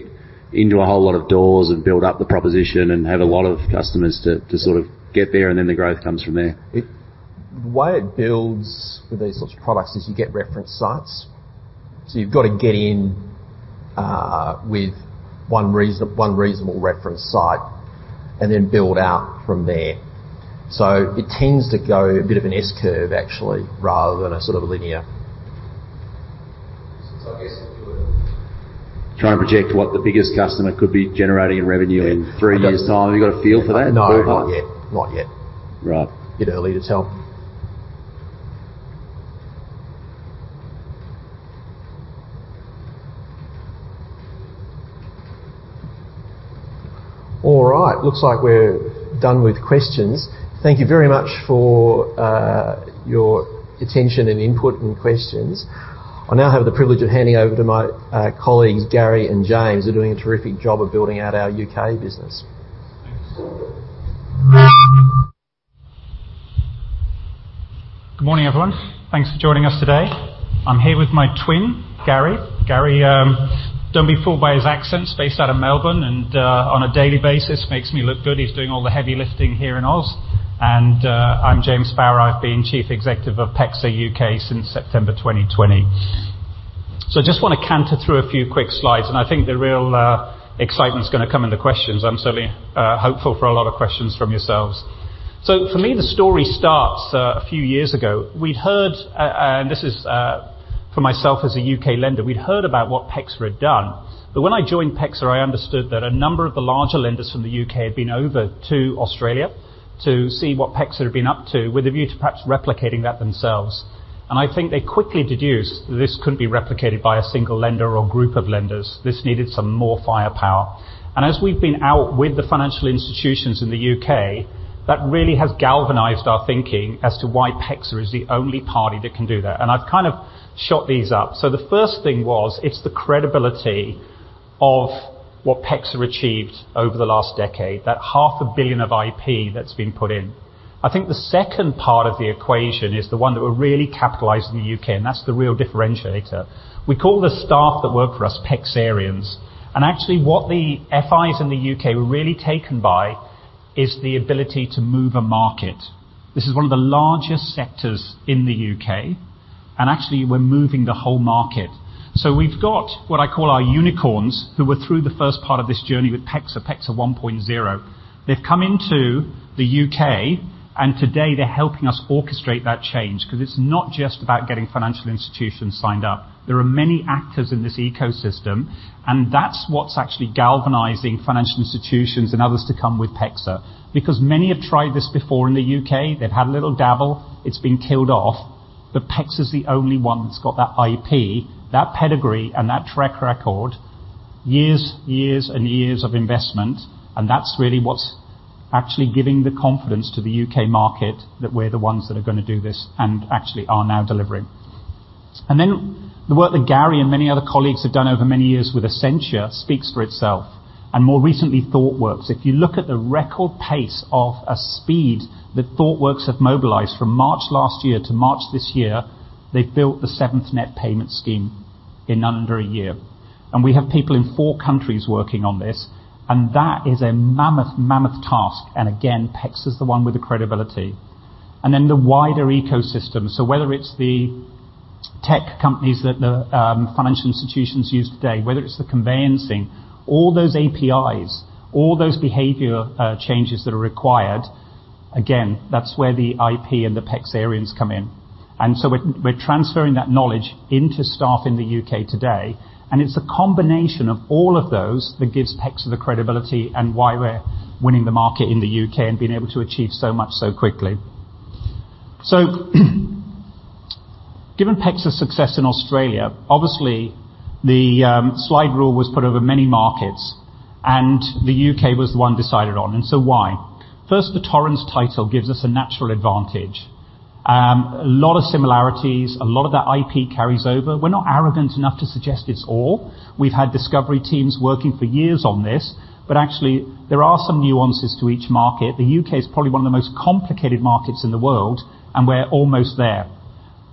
into a whole lot of doors and build up the proposition and have a lot of customers to sort of get there and then the growth comes from there? The way it builds for these sorts of products is you get reference sites. You've got to get in with one reasonable reference site and then build out from there. It tends to go a bit of an S-curve actually rather than a sort of linear. I guess if you were trying to project what the biggest customer could be generating in revenue. Yeah. In three years' time. Have you got a feel for that at all? No, not yet. Not yet. Right. Bit early to tell. All right. Looks like we're done with questions. Thank you very much for your attention and input and questions. I now have the privilege of handing over to my colleagues, Gary and James. They're doing a terrific job of building out our U.K business. Thanks. Good morning, everyone. Thanks for joining us today. I'm here with my twin, Gary. Gary, don't be fooled by his accent. He's based out of Melbourne and on a daily basis makes me look good. He's doing all the heavy lifting here in Oz. I'm James Bawa. I've been Chief Executive of PEXA UK since September 2020. I just want to canter through a few quick slides, and I think the real excitement's going to come in the questions. I'm certainly hopeful for a lot of questions from yourselves. For me, the story starts a few years ago. We'd heard, and this is for myself as a UK lender, we'd heard about what PEXA had done. When I joined PEXA, I understood that a number of the larger lenders from the U.K. had been over to Australia to see what PEXA had been up to, with a view to perhaps replicating that themselves. I think they quickly deduced this couldn't be replicated by a single lender or group of lenders. This needed some more firepower. As we've been out with the financial institutions in the U.K., that really has galvanized our thinking as to why PEXA is the only party that can do that. I've kind of shot these up. The first thing was, it's the credibility of what PEXA achieved over the last decade, that half a billion of IP that's been put in. I think the second part of the equation is the one that we're really capitalizing in the U.K., and that's the real differentiator. We call the staff that work for us PEXArians. Actually, what the FIs in the U.K were really taken by is the ability to move a market. This is one of the largest sectors in the U.K. Actually, we're moving the whole market. We've got what I call our unicorns, who were through the first part of this journey with PEXA 1.0. They've come into the U.K, and today they're helping us orchestrate that change, 'cause it's not just about getting financial institutions signed up. There are many actors in this ecosystem, and that's what's actually galvanizing financial institutions and others to come with PEXA. Because many have tried this before in the U.K, they've had a little dabble, it's been killed off, but PEXA's the only one that's got that IP, that pedigree, and that track record, years and years of investment, and that's really what's actually giving the confidence to the U.K market that we're the ones that are going to do this, and actually are now delivering. The work that Gary and many other colleagues have done over many years with Accenture speaks for itself. More recently, Thoughtworks. If you look at the record pace of a speed that Thoughtworks have mobilized from March last year to March this year, they've built the seventh net payment scheme in under a year. We have people in four countries working on this, and that is a mammoth task. Again, PEXA's the one with the credibility. The wider ecosystem. Whether it's the tech companies that the financial institutions use today, whether it's the conveyancing, all those APIs, all those behavior changes that are required, again, that's where the IP and the PEXArians come in. We're transferring that knowledge into staff in the U.K today, and it's a combination of all of those that gives PEXA the credibility, and why we're winning the market in the U.K and being able to achieve so much so quickly. Given PEXA's success in Australia, obviously the slide rule was put over many markets, and the UK was the one decided on. Why? First, the Torrens title gives us a natural advantage. A lot of similarities, a lot of that IP carries over. We're not arrogant enough to suggest it's all. We've had discovery teams working for years on this. Actually, there are some nuances to each market. The U.K is probably one of the most complicated markets in the world, and we're almost there.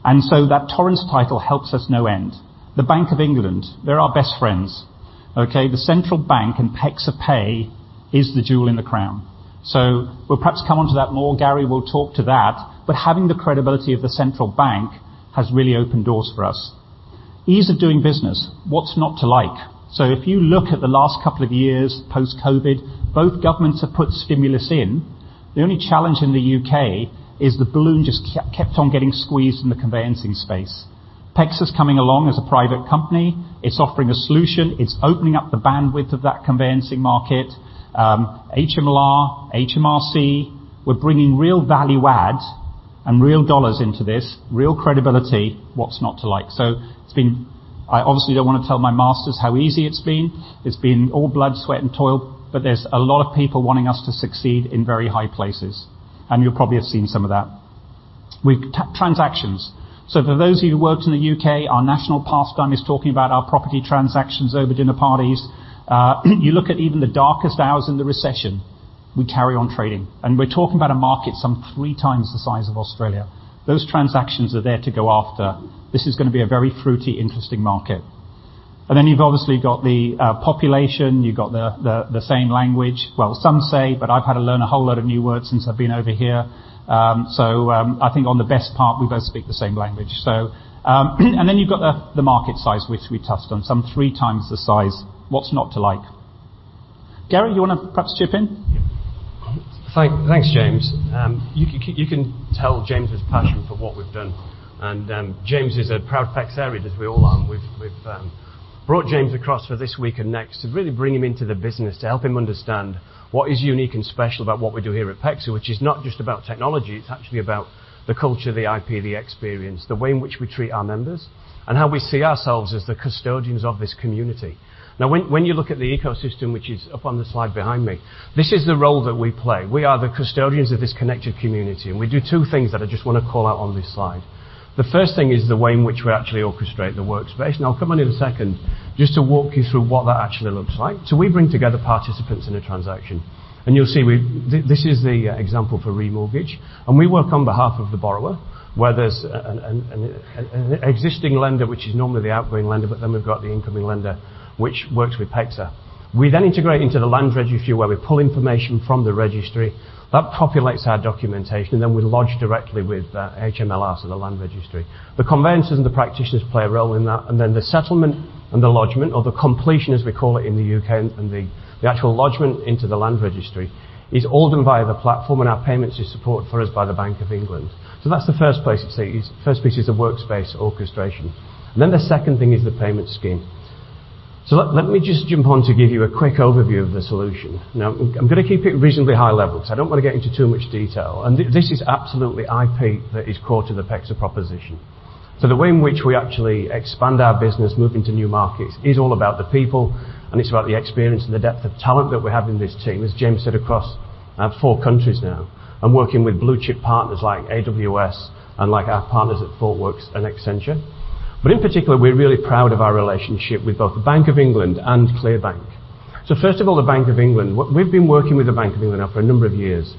That Torrens title helps us no end. The Bank of England, they're our best friends, okay? The central bank and PEXA Pay is the jewel in the crown. We'll perhaps come onto that more. Gary will talk to that. Having the credibility of the central bank has really opened doors for us. Ease of doing business, what's not to like? If you look at the last couple of years, post-COVID, both governments have put stimulus in. The only challenge in the UK is the balloon just kept on getting squeezed in the conveyancing space. PEXA's coming along as a private company. It's offering a solution. It's opening up the bandwidth of that conveyancing market. HMLR, HMRC, we're bringing real value adds and real dollars into this, real credibility. What's not to like? It's been. I obviously don't want to tell my masters how easy it's been. It's been all blood, sweat, and toil, but there's a lot of people wanting us to succeed in very high places, and you'll probably have seen some of that. Transactions. For those of you who worked in the U.K, our national pastime is talking about our property transactions over dinner parties. You look at even the darkest hours in the recession, we carry on trading. We're talking about a market some three times the size of Australia. Those transactions are there to go after. This is going to be a very fruity, interesting market. Then you've obviously got the population. You've got the same language. Well, some say, but I've had to learn a whole lot of new words since I've been over here. I think on the best part, we both speak the same language. Then you've got the market size, which we touched on, some three times the size. What's not to like? Gary, you want to perhaps chip in? Yeah. Thanks, James. You can tell James' passion for what we've done. James is a proud PEXArian, as we all are, and we've brought James across for this week and next to really bring him into the business to help him understand what is unique and special about what we do here at PEXA, which is not just about technology, it's actually about the culture, the IP, the experience, the way in which we treat our members, and how we see ourselves as the custodians of this community. Now, when you look at the ecosystem, which is up on the slide behind me, this is the role that we play. We are the custodians of this connected community, and we do two things that I just want to call out on this slide. The first thing is the way in which we actually orchestrate the workspace, and I'll come onto in a second just to walk you through what that actually looks like. We bring together participants in a transaction. You'll see we. This is the example for remortgage, and we work on behalf of the borrower, where there's an existing lender, which is normally the outgoing lender, but then we've got the incoming lender which works with PEXA. We then integrate into the Land Registry, where we pull information from the registry. That populates our documentation, and then we lodge directly with HMLR, so the Land Registry. The conveyancers and the practitioners play a role in that. The settlement and the lodgment, or the completion as we call it in the U.K, and the actual lodgment into the Land Registry is all done via the platform, and our payments is supported for us by the Bank of England. That's the first place, first piece is the workspace orchestration. The second thing is the payment scheme. Let me just jump on to give you a quick overview of the solution. Now, I'm going to keep it reasonably high level, 'cause I don't want to get into too much detail. This is absolutely IP that is core to the PEXA proposition. The way in which we actually expand our business, move into new markets, is all about the people, and it's about the experience and the depth of talent that we have in this team, as James said, across four countries now, and working with blue-chip partners like AWS and like our partners at Thoughtworks and Accenture. In particular, we're really proud of our relationship with both the Bank of England and ClearBank. First of all, the Bank of England. We've been working with the Bank of England now for a number of years.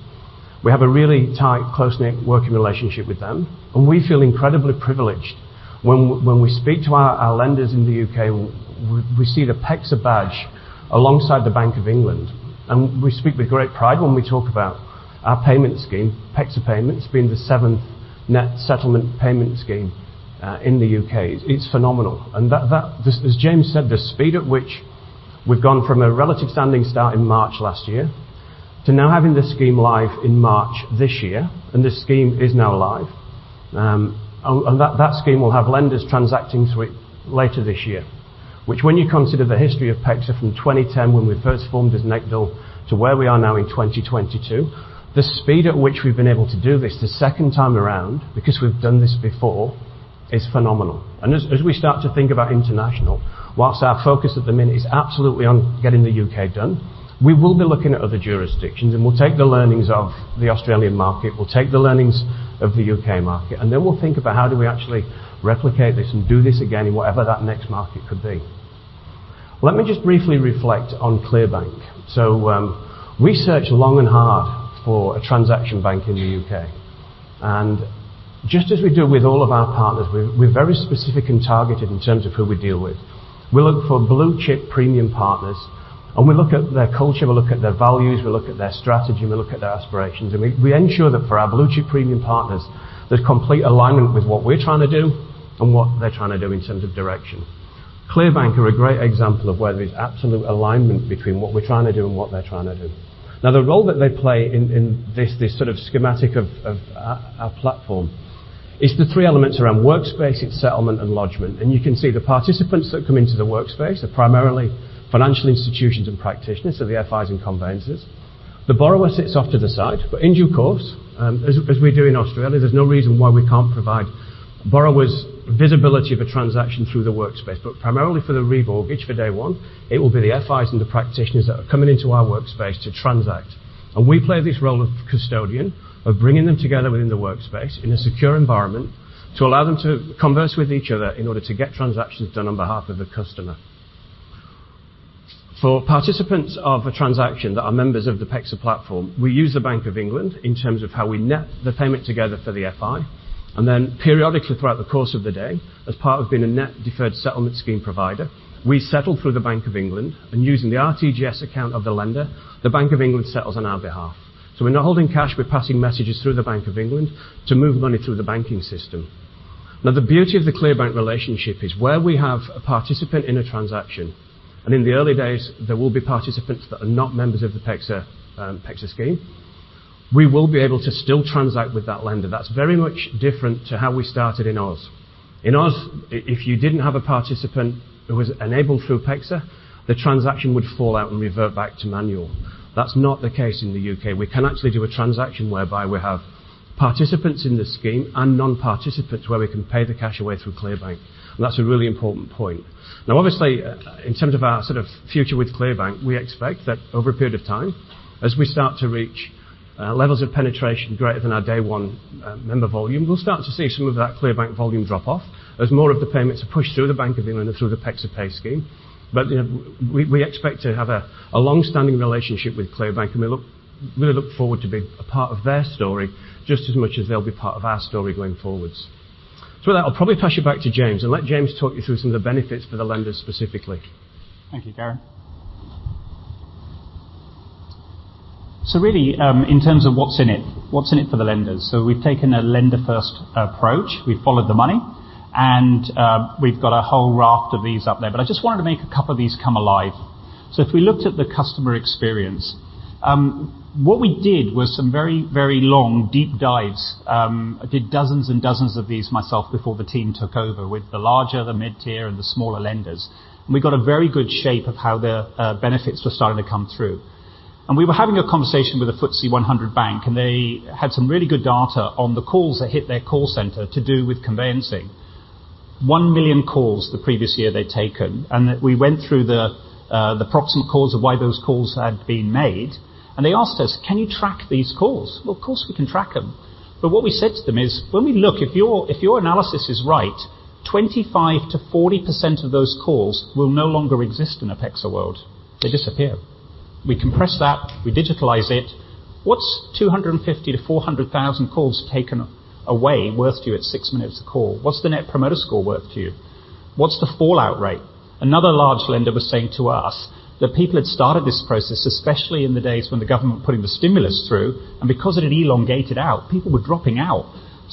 We have a really tight, close-knit working relationship with them, and we feel incredibly privileged. When we speak to our lenders in the U.K, we see the PEXA badge alongside the Bank of England, and we speak with great pride when we talk about our payment scheme, PEXA Pay, being the seventh net settlement payment scheme in the U.K. It's phenomenal. This, as James said, the speed at which we've gone from a relative standing start in March last year to now having this scheme live in March this year, and this scheme is now live. That scheme will have lenders transacting through it later this year, which when you consider the history of PEXA from 2010 when we first formed as NECDL to where we are now in 2022, the speed at which we've been able to do this the second time around, because we've done this before, is phenomenal. As we start to think about international, while our focus at the minute is absolutely on getting the U.K done, we will be looking at other jurisdictions, and we'll take the learnings of the Australian market, we'll take the learnings of the U.K market, and then we'll think about how do we actually replicate this and do this again in whatever that next market could be. Let me just briefly reflect on ClearBank. We searched long and hard for a transaction bank in the U.K. Just as we do with all of our partners, we're very specific and targeted in terms of who we deal with. We look for blue-chip premium partners, and we look at their culture, we look at their values, we look at their strategy, and we look at their aspirations. We ensure that for our blue-chip premium partners, there's complete alignment with what we're trying to do and what they're trying to do in terms of direction. ClearBank are a great example of where there's absolute alignment between what we're trying to do and what they're trying to do. Now, the role that they play in this sort of schematic of our platform is the three elements around workspace, it's settlement and lodgement. You can see the participants that come into the workspace are primarily financial institutions and practitioners, so the FIs and conveyancers. The borrower sits off to the side, but in due course, as we do in Australia, there's no reason why we can't provide borrowers visibility of a transaction through the workspace. Primarily for the remortgage for day one, it will be the FIs and the practitioners that are coming into our workspace to transact. We play this role of custodian, of bringing them together within the workspace in a secure environment to allow them to converse with each other in order to get transactions done on behalf of a customer. For participants of a transaction that are members of the PEXA platform, we use the Bank of England in terms of how we net the payment together for the FI, and then periodically throughout the course of the day, as part of being a Deferred Net Settlement Scheme provider, we settle through the Bank of England, and using the RTGS account of the lender, the Bank of England settles on our behalf. We're not holding cash, we're passing messages through the Bank of England to move money through the banking system. Now, the beauty of the ClearBank relationship is where we have a participant in a transaction, and in the early days, there will be participants that are not members of the PEXA scheme, we will be able to still transact with that lender. That's very much different to how we started in Oz. In Oz, if you didn't have a participant who was enabled through PEXA, the transaction would fall out and revert back to manual. That's not the case in the U.K. We can actually do a transaction whereby we have participants in the scheme and non-participants where we can pay the cash away through ClearBank. That's a really important point. Now obviously, in terms of our sort of future with ClearBank, we expect that over a period of time, as we start to reach levels of penetration greater than our day one member volume, we'll start to see some of that ClearBank volume drop off as more of the payments are pushed through the Bank of England and through the PEXA Pay scheme. But, you know, we expect to have a long-standing relationship with ClearBank, and we look forward to being a part of their story just as much as they'll be part of our story going forwards. With that, I'll probably pass you back to James and let James talk you through some of the benefits for the lenders specifically. Thank you, Gary. Really, in terms of what's in it for the lenders? We've taken a lender-first approach. We've followed the money. We've got a whole raft of these up there, but I just wanted to make a couple of these come alive. If we looked at the customer experience, what we did was some very, very long deep dives. I did dozens and dozens of these myself before the team took over with the larger, the mid-tier, and the smaller lenders. We got a very good shape of how the benefits were starting to come through. We were having a conversation with a FTSE 100 bank, and they had some really good data on the calls that hit their call center to do with conveyancing. 1 million calls the previous year they'd taken, and we went through the proxy calls of why those calls had been made, and they asked us, "Can you track these calls?" Well, of course, we can track them. But what we said to them is, "When we look, if your analysis is right, 25%-40% of those calls will no longer exist in a PEXA world. They disappear. We compress that. We digitalize it. What's 250,000-400,000 calls taken away worth to you at six minutes a call? What's the net promoter score worth to you? What's the fallout rate?" Another large lender was saying to us that people had started this process, especially in the days when the government were putting the stimulus through, and because it had elongated out, people were dropping out.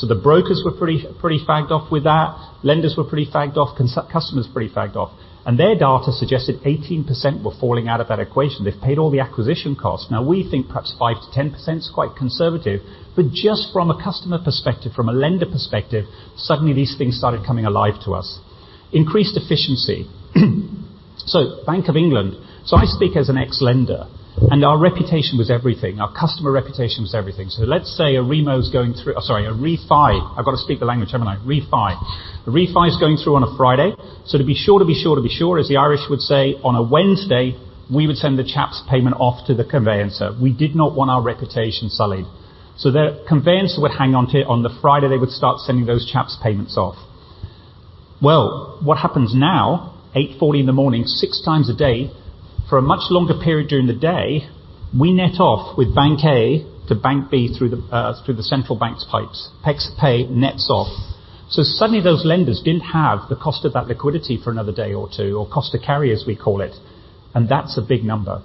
The brokers were pretty fagged off with that. Lenders were pretty fagged off. Customers pretty fagged off. Their data suggested 18% were falling out of that equation. They've paid all the acquisition costs. Now we think perhaps 5%-10% is quite conservative, but just from a customer perspective, from a lender perspective, suddenly these things started coming alive to us. Increased efficiency. Bank of England. I speak as an ex-lender, and our reputation was everything. Our customer reputation was everything. Let's say a remo's going through. Oh, sorry, a refi. I've got to speak the language, haven't I? Refi. A refi's going through on a Friday. To be sure, to be sure, to be sure, as the Irish would say, on a Wednesday, we would send the CHAPS payment off to the conveyancer. We did not want our reputation sullied. The conveyancer would hang on to it. On the Friday, they would start sending those CHAPS payments off. Well, what happens now, 8:40 A.M., six times a day, for a much longer period during the day, we net off with bank A to bank B through the central bank's pipes. PEXA Pay nets off. Suddenly those lenders didn't have the cost of that liquidity for another day or two or cost to carry, as we call it. That's a big number.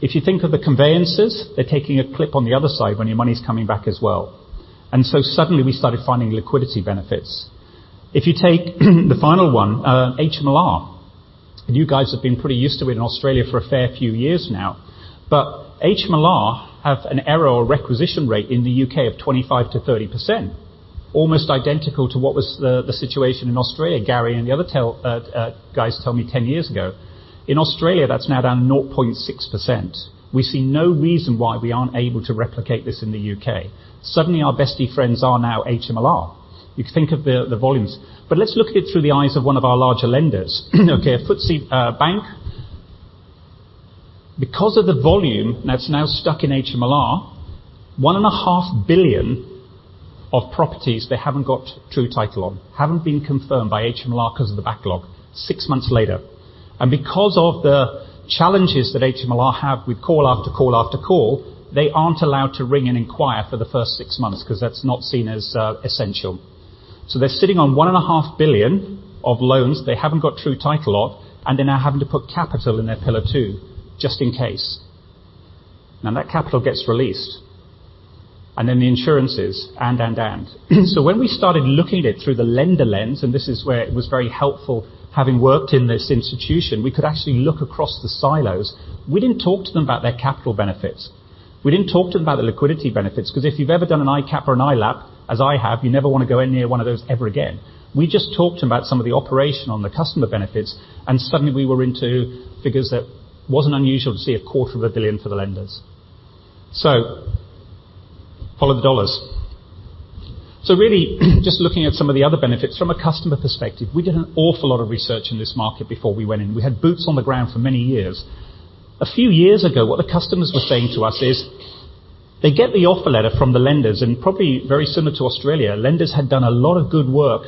If you think of the conveyancers, they're taking a clip on the other side when your money's coming back as well. Suddenly we started finding liquidity benefits. If you take the final one, HMLR. You guys have been pretty used to it in Australia for a fair few years now. HMLR have an error or requisition rate in the U.K of 25%-30%, almost identical to what was the situation in Australia, Gary and the other guys tell me 10 years ago. In Australia, that's now down 0.6%. We see no reason why we aren't able to replicate this in the U.K. Suddenly, our bestie friends are now HMLR. You can think of the volumes. Let's look at it through the eyes of one of our larger lenders. Okay, FTSE Bank. Because of the volume that's now stuck in HMLR, 1.5 billion of properties they haven't got true title on, haven't been confirmed by HMLR 'cause of the backlog six months later. Because of the challenges that HMLR have with call after call after call, they aren't allowed to ring and inquire for the first six months 'cause that's not seen as essential. They're sitting on 1.5 billion of loans they haven't got true title on, and they're now having to put capital in their Pillar 2 just in case. Now that capital gets released, and then the insurances. When we started looking at it through the lender lens, and this is where it was very helpful having worked in this institution, we could actually look across the silos. We didn't talk to them about their capital benefits. We didn't talk to them about the liquidity benefits, 'cause if you've ever done an ICAAP or an ILAAP, as I have, you never want to go near one of those ever again. We just talked about some of the operational customer benefits, and suddenly we were into figures that wasn't unusual to see a quarter of a billion for the lenders. Follow the dollars. Really, just looking at some of the other benefits from a customer perspective, we did an awful lot of research in this market before we went in. We had boots on the ground for many years. A few years ago, what the customers were saying to us is they get the offer letter from the lenders, and probably very similar to Australia, lenders had done a lot of good work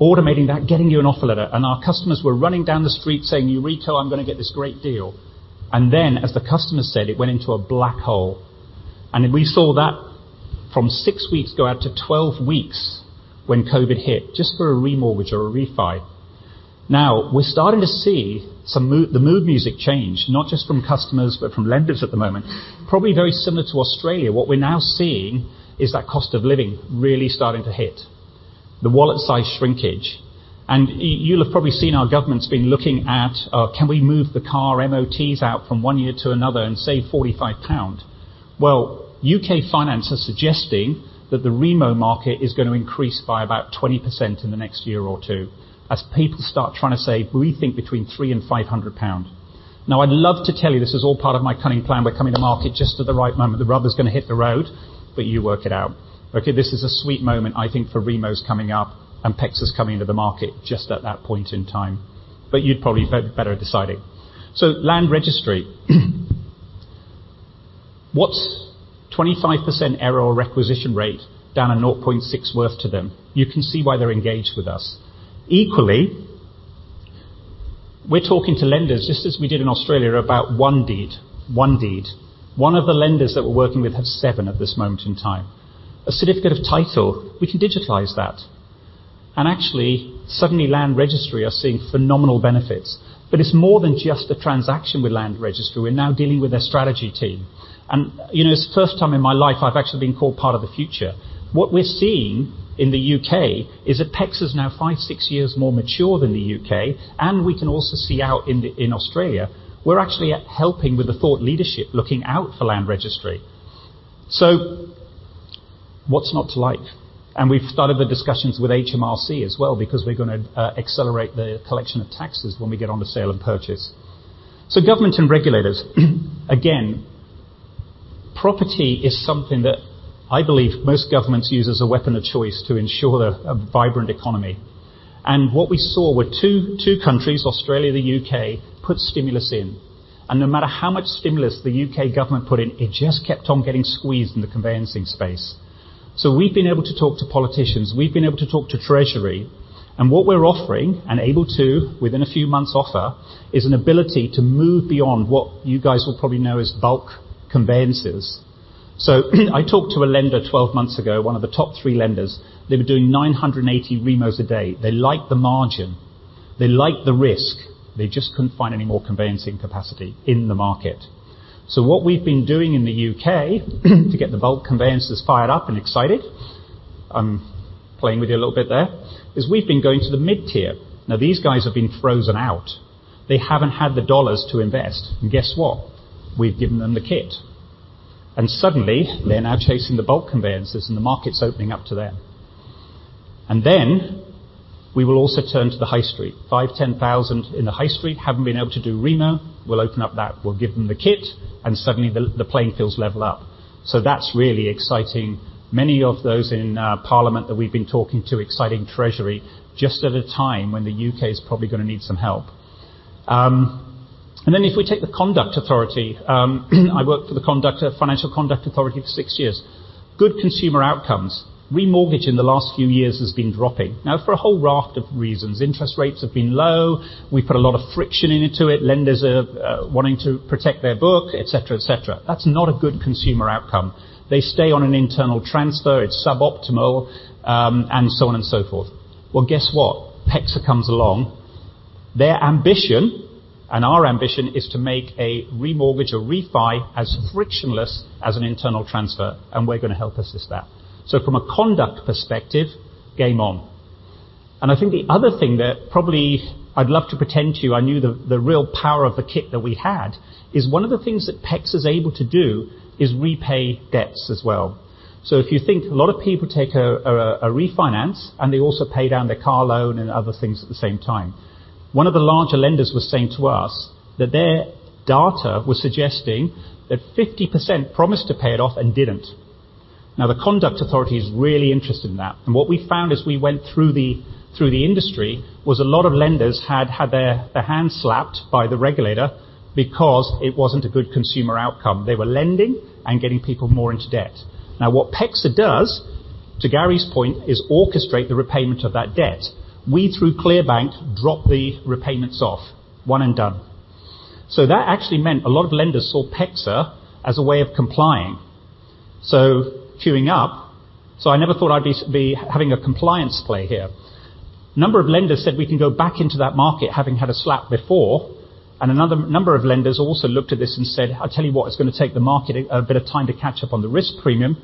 automating that, getting your offer letter. Our customers were running down the street saying, "Your rate, I'm going to get this great deal." Then as the customer said, it went into a black hole. We saw that from six weeks ago out to 12 weeks when COVID hit just for a remortgage or a refi. Now we're starting to see some mood music change, not just from customers but from lenders at the moment. Probably very similar to Australia, what we're now seeing is that cost of living really starting to hit. The wallet size shrinkage. You'll have probably seen our government's been looking at, can we move the car MOTs out from one year to another and save 45 pound? Well, UK Finance is suggesting that the ReMo market is going to increase by about 20% in the next year or two as people start trying to save between 300 and 500 pounds. Now I'd love to tell you this is all part of my cunning plan by coming to market just at the right moment. The rubber's going to hit the road, but you work it out. Okay, this is a sweet moment, I think, for ReMos coming up and PEXA's coming into the market just at that point in time. You'd probably be better at deciding. Land Registry. What's 25% error or requisition rate down to 0.6 worth to them? You can see why they're engaged with us. Equally, we're talking to lenders, just as we did in Australia, about one deed. One deed. One of the lenders that we're working with have seven at this moment in time. A certificate of title, we can digitalize that. Actually, suddenly, Land Registry are seeing phenomenal benefits. It's more than just a transaction with Land Registry. We're now dealing with their strategy team. You know, it's the first time in my life I've actually been called part of the future. What we're seeing in the U.K. is that PEXA's now five-six years more mature than the U.K., and we can also see in Australia, we're actually helping with the thought leadership looking out for Land Registry. What's not to like? We've started the discussions with HMRC as well because we're going to accelerate the collection of taxes when we get on to sale and purchase. Government and regulators. Again, property is something that I believe most governments use as a weapon of choice to ensure a vibrant economy. What we saw were two countries, Australia and the U.K., put stimulus in. No matter how much stimulus the U.K. government put in, it just kept on getting squeezed in the conveyancing space. We've been able to talk to politicians, we've been able to talk to Treasury, and what we're offering and able to, within a few months offer, is an ability to move beyond what you guys will probably know as bulk conveyances. I talked to a lender 12 months ago, one of the top three lenders. They were doing 980 remos a day. They liked the margin. They liked the risk. They just couldn't find any more conveyancing capacity in the market. What we've been doing in the U.K to get the bulk conveyancers fired up and excited, I'm playing with you a little bit there, is we've been going to the mid-tier. Now these guys have been frozen out. They haven't had the dollars to invest. Guess what? We've given them the kit. Suddenly they're now chasing the bulk conveyancers, and the market's opening up to them. We will also turn to the High Street. 5-10,000 in the High Street haven't been able to do remo. We'll open up that. We'll give them the kit, and suddenly the playing fields level up. That's really exciting many of those in Parliament that we've been talking to, exciting Treasury just at a time when the UK's probably going to need some help. If we take the Financial Conduct Authority, I worked for the Financial Conduct Authority for six years. Good consumer outcomes. Remortgage in the last few years has been dropping. Now for a whole raft of reasons. Interest rates have been low. We put a lot of friction into it. Lenders are wanting to protect their book, et cetera, et cetera. That's not a good consumer outcome. They stay on an internal transfer, it's suboptimal, and so on and so forth. Well, guess what? PEXA comes along. Their ambition and our ambition is to make a remortgage or refi as frictionless as an internal transfer, and we're going to help assist that. So from a conduct perspective, game on. I think the other thing that probably I'd love to pretend that I knew the real power of the kit that we had, is one of the things that PEXA is able to do is repay debts as well. So if you think a lot of people take a refinance, and they also pay down their car loan and other things at the same time. One of the larger lenders was saying to us that their data was suggesting that 50% promised to pay it off and didn't. Now, the Conduct Authority is really interested in that, and what we found as we went through the industry, was a lot of lenders had their hand slapped by the regulator because it wasn't a good consumer outcome. They were lending and getting people more into debt. Now what PEXA does, to Gary's point, is orchestrate the repayment of that debt. We, through ClearBank, drop the repayments off, one and done. That actually meant a lot of lenders saw PEXA as a way of complying. Queuing up, I never thought I'd be having a compliance play here. number of lenders said we can go back into that market having had a slap before, and another number of lenders also looked at this and said, "I'll tell you what, it's going to take the market a bit of time to catch up on the risk premium.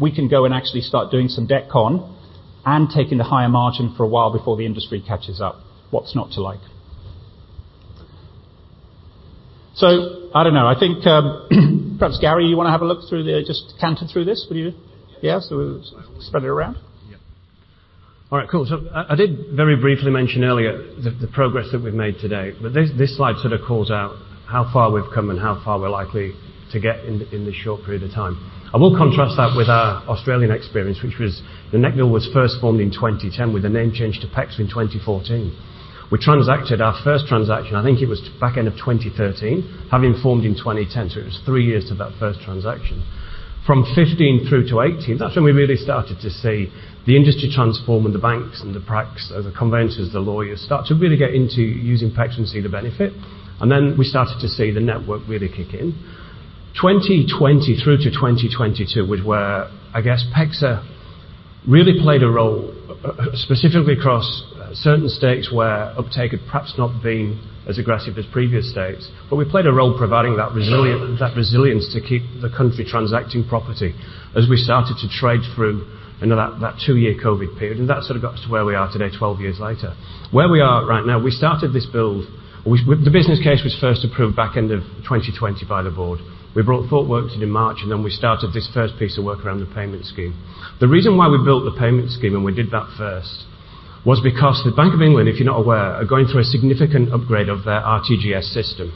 We can go and actually start doing some debt con and taking the higher margin for a while before the industry catches up." What's not to like? I don't know. I think, perhaps, Gary, you want to have a look through. Just counter through this, will you? Yes. Yeah. Spread it around. Yeah. All right, cool. I did very briefly mention earlier the progress that we've made today, but this slide sort of calls out how far we've come and how far we're likely to get in this short period of time. I will contrast that with our Australian experience, which was the NECDL was first formed in 2010, with the name change to PEXA in 2014. We transacted our first transaction, I think it was back end of 2013, having formed in 2010, so it was three years to that first transaction. From 2015 through to 2018, that's when we really started to see the industry transform, and the banks and the practices, the conveyancers, the lawyers start to really get into using PEXA and see the benefit. We started to see the network really kick in. 2020 through to 2022 was where, I guess PEXA really played a role, specifically across certain states where uptake had perhaps not been as aggressive as previous states, but we played a role providing that resilience to keep the country transacting property as we started to trade through into that two-year COVID period. That sort of got us to where we are today, 12 years later. Where we are right now, the business case was first approved back end of 2020 by the board. We brought Thoughtworks in in March, and then we started this first piece of work around the payment scheme. The reason why we built the payment scheme, and we did that first, was because the Bank of England, if you're not aware, are going through a significant upgrade of their RTGS system.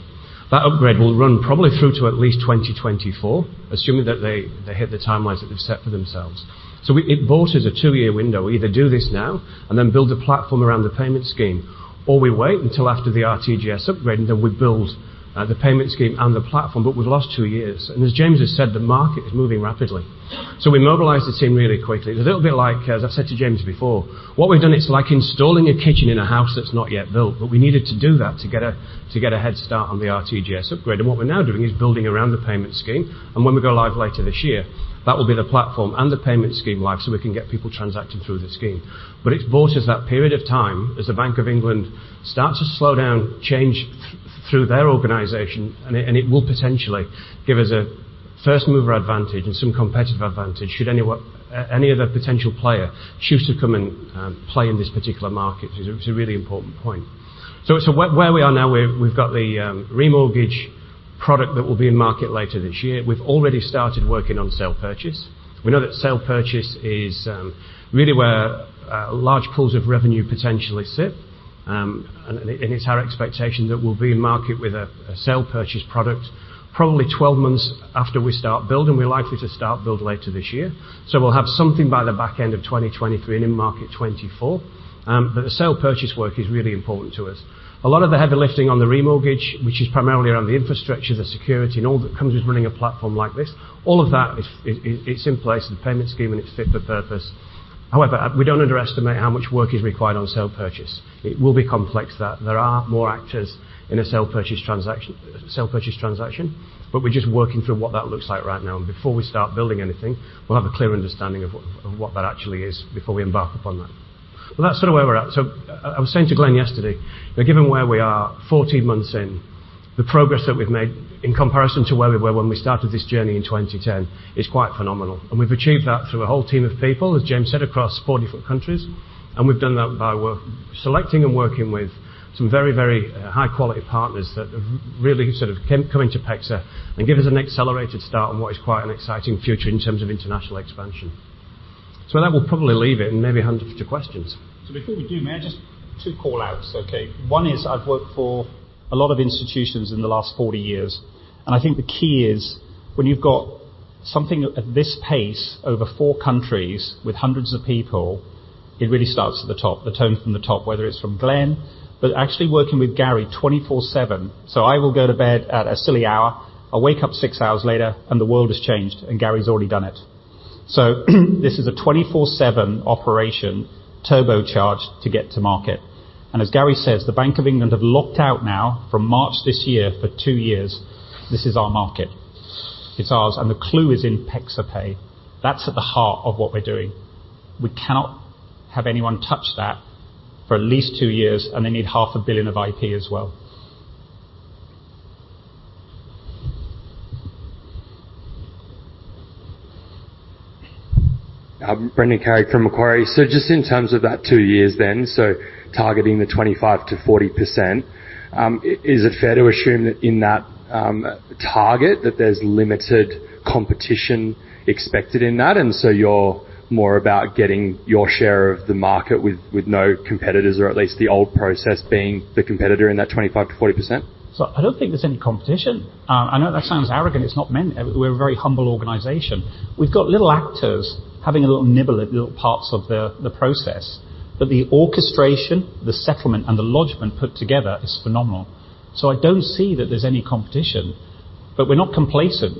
That upgrade will run probably through to at least 2024, assuming that they hit the timelines that they've set for themselves. It bought us a two-year window. We either do this now and then build a platform around the payment scheme, or we wait until after the RTGS upgrade, and then we build the payment scheme and the platform. We've lost two years, and as James has said, the market is moving rapidly. We mobilized the team really quickly. It's a little bit like, as I've said to James before, what we've done, it's like installing a kitchen in a house that's not yet built, but we needed to do that to get a head start on the RTGS upgrade. What we're now doing is building around the payment scheme, and when we go live later this year, that will be the platform and the payment scheme live, so we can get people transacting through the scheme. It's bought us that period of time as the Bank of England starts to slow down change through their organization. It will potentially give us a first-mover advantage and some competitive advantage should any other potential player choose to come and play in this particular market. It's a really important point. Where we are now, we've got the remortgage product that will be in market later this year. We've already started working on sale purchase. We know that sale purchase is really where large pools of revenue potentially sit. It's our expectation that we'll be in market with a sale purchase product probably 12 months after we start build, and we're likely to start build later this year. We'll have something by the back end of 2023 and in market 2024. The sale purchase work is really important to us. A lot of the heavy lifting on the remortgage, which is primarily around the infrastructure, the security and all that comes with running a platform like this, all of that is in place. The payment scheme and it's fit for purpose. However, we don't underestimate how much work is required on sale purchase. It will be complex that there are more actors in a sale purchase transaction, but we're just working through what that looks like right now. Before we start building anything, we'll have a clear understanding of what that actually is before we embark upon that. Well, that's sort of where we're at. I was saying to Glenn yesterday that given where we are 14 months in, the progress that we've made in comparison to where we were when we started this journey in 2010 is quite phenomenal. We've achieved that through a whole team of people, as James said, across four different countries. We've done that by selecting and working with some very high quality partners that have really sort of come into PEXA and give us an accelerated start on what is quite an exciting future in terms of international expansion. On that we'll probably leave it and maybe hand it for questions. Before we do, may I just. Two call-outs, okay? One is, I've worked for a lot of institutions in the last 40 years, and I think the key is when you've got something at this pace over four countries with hundreds of people, it really starts at the top, the tone from the top, whether it's from Glenn, but actually working with Gary 24/7. I will go to bed at a silly hour, I'll wake up six hours later, and the world has changed, and Gary's already done it. This is a 24/7 operation, turbocharge to get to market. As Gary says, the Bank of England have locked out now from March this year for two years. This is our market. It's ours, and the clue is in PEXA Pay. That's at the heart of what we're doing. We cannot have anyone touch that for at least two years, and they need half a billion of IP as well. Brendan Carrigg from Macquarie. Just in terms of that two years then, targeting the 25%-40%, is it fair to assume that in that target there's limited competition expected in that, and you're more about getting your share of the market with no competitors or at least the old process being the competitor in that 25%-40%? I don't think there's any competition. I know that sounds arrogant. It's not meant. We're a very humble organization. We've got little actors having a little nibble at little parts of the process. But the orchestration, the settlement, and the lodgment put together is phenomenal. I don't see that there's any competition, but we're not complacent.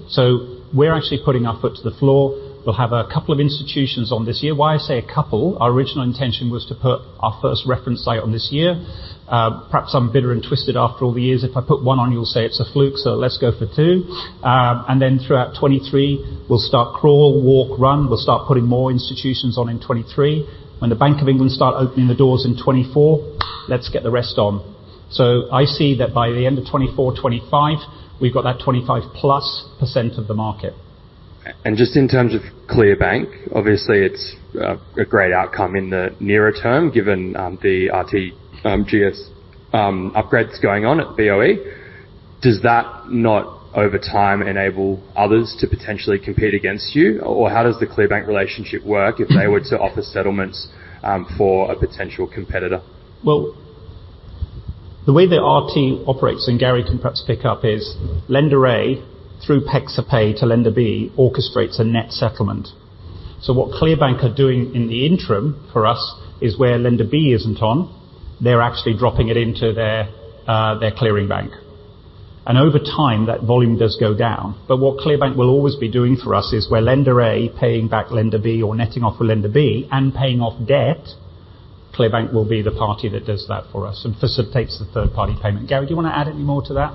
We're actually putting our foot to the floor. We'll have a couple of institutions on this year. Why I say a couple, our original intention was to put our first reference site on this year. Perhaps I'm bitter and twisted after all the years. If I put one on, you'll say it's a fluke, so let's go for two. Throughout 2023, we'll start crawl, walk, run. We'll start putting more institutions on in 2023. When the Bank of England start opening the doors in 2024, let's get the rest on. I see that by the end of 2024, 2025, we've got that 25%+ of the market. Just in terms of ClearBank, obviously it's a great outcome in the nearer term given the RTGS upgrades going on at BoE. Does that not over time enable others to potentially compete against you? Or how does the ClearBank relationship work if they were to offer settlements for a potential competitor? Well, the way the RT operates, and Gary can perhaps pick up, is lender A through PEXA Pay to lender B orchestrates a net settlement. What ClearBank are doing in the interim for us is where lender B isn't on, they're actually dropping it into their clearing bank. Over time, that volume does go down. What ClearBank will always be doing for us is where lender A paying back lender B or netting off with lender B and paying off debt, ClearBank will be the party that does that for us and facilitates the third-party payment. Gary, do you want to add any more to that?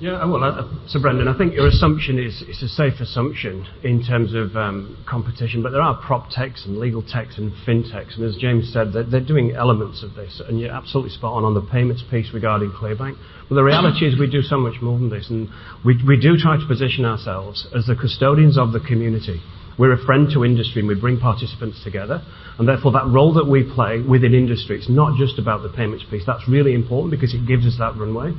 Yeah. Well, Brendan, I think your assumption is a safe assumption in terms of competition, but there are PropTechs and legaltechs and fintechs, and as James said, they're doing elements of this, and you're absolutely spot on on the payments piece regarding ClearBank. The reality is we do so much more than this, and we do try to position ourselves as the custodians of the community. We're a friend to industry, and we bring participants together, and therefore, that role that we play within industry, it's not just about the payments piece. That's really important because it gives us that runway.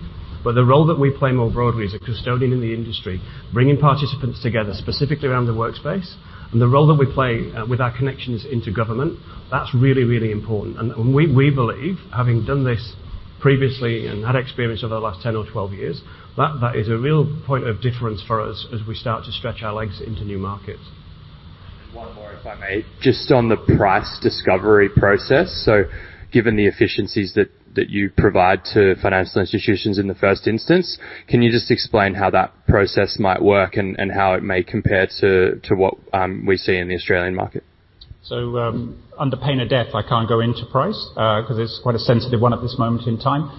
The role that we play more broadly as a custodian in the industry, bringing participants together, specifically around the workspace, and the role that we play with our connections into government, that's really, really important. We believe, having done this previously and had experience over the last 10 or 12 years, that is a real point of difference for us as we start to stretch our legs into new markets. One more, if I may. Just on the price discovery process. Given the efficiencies that you provide to financial institutions in the first instance, can you just explain how that process might work and how it may compare to what we see in the Australian market? Under pain of death, I can't go into price, 'cause it's quite a sensitive one at this moment in time.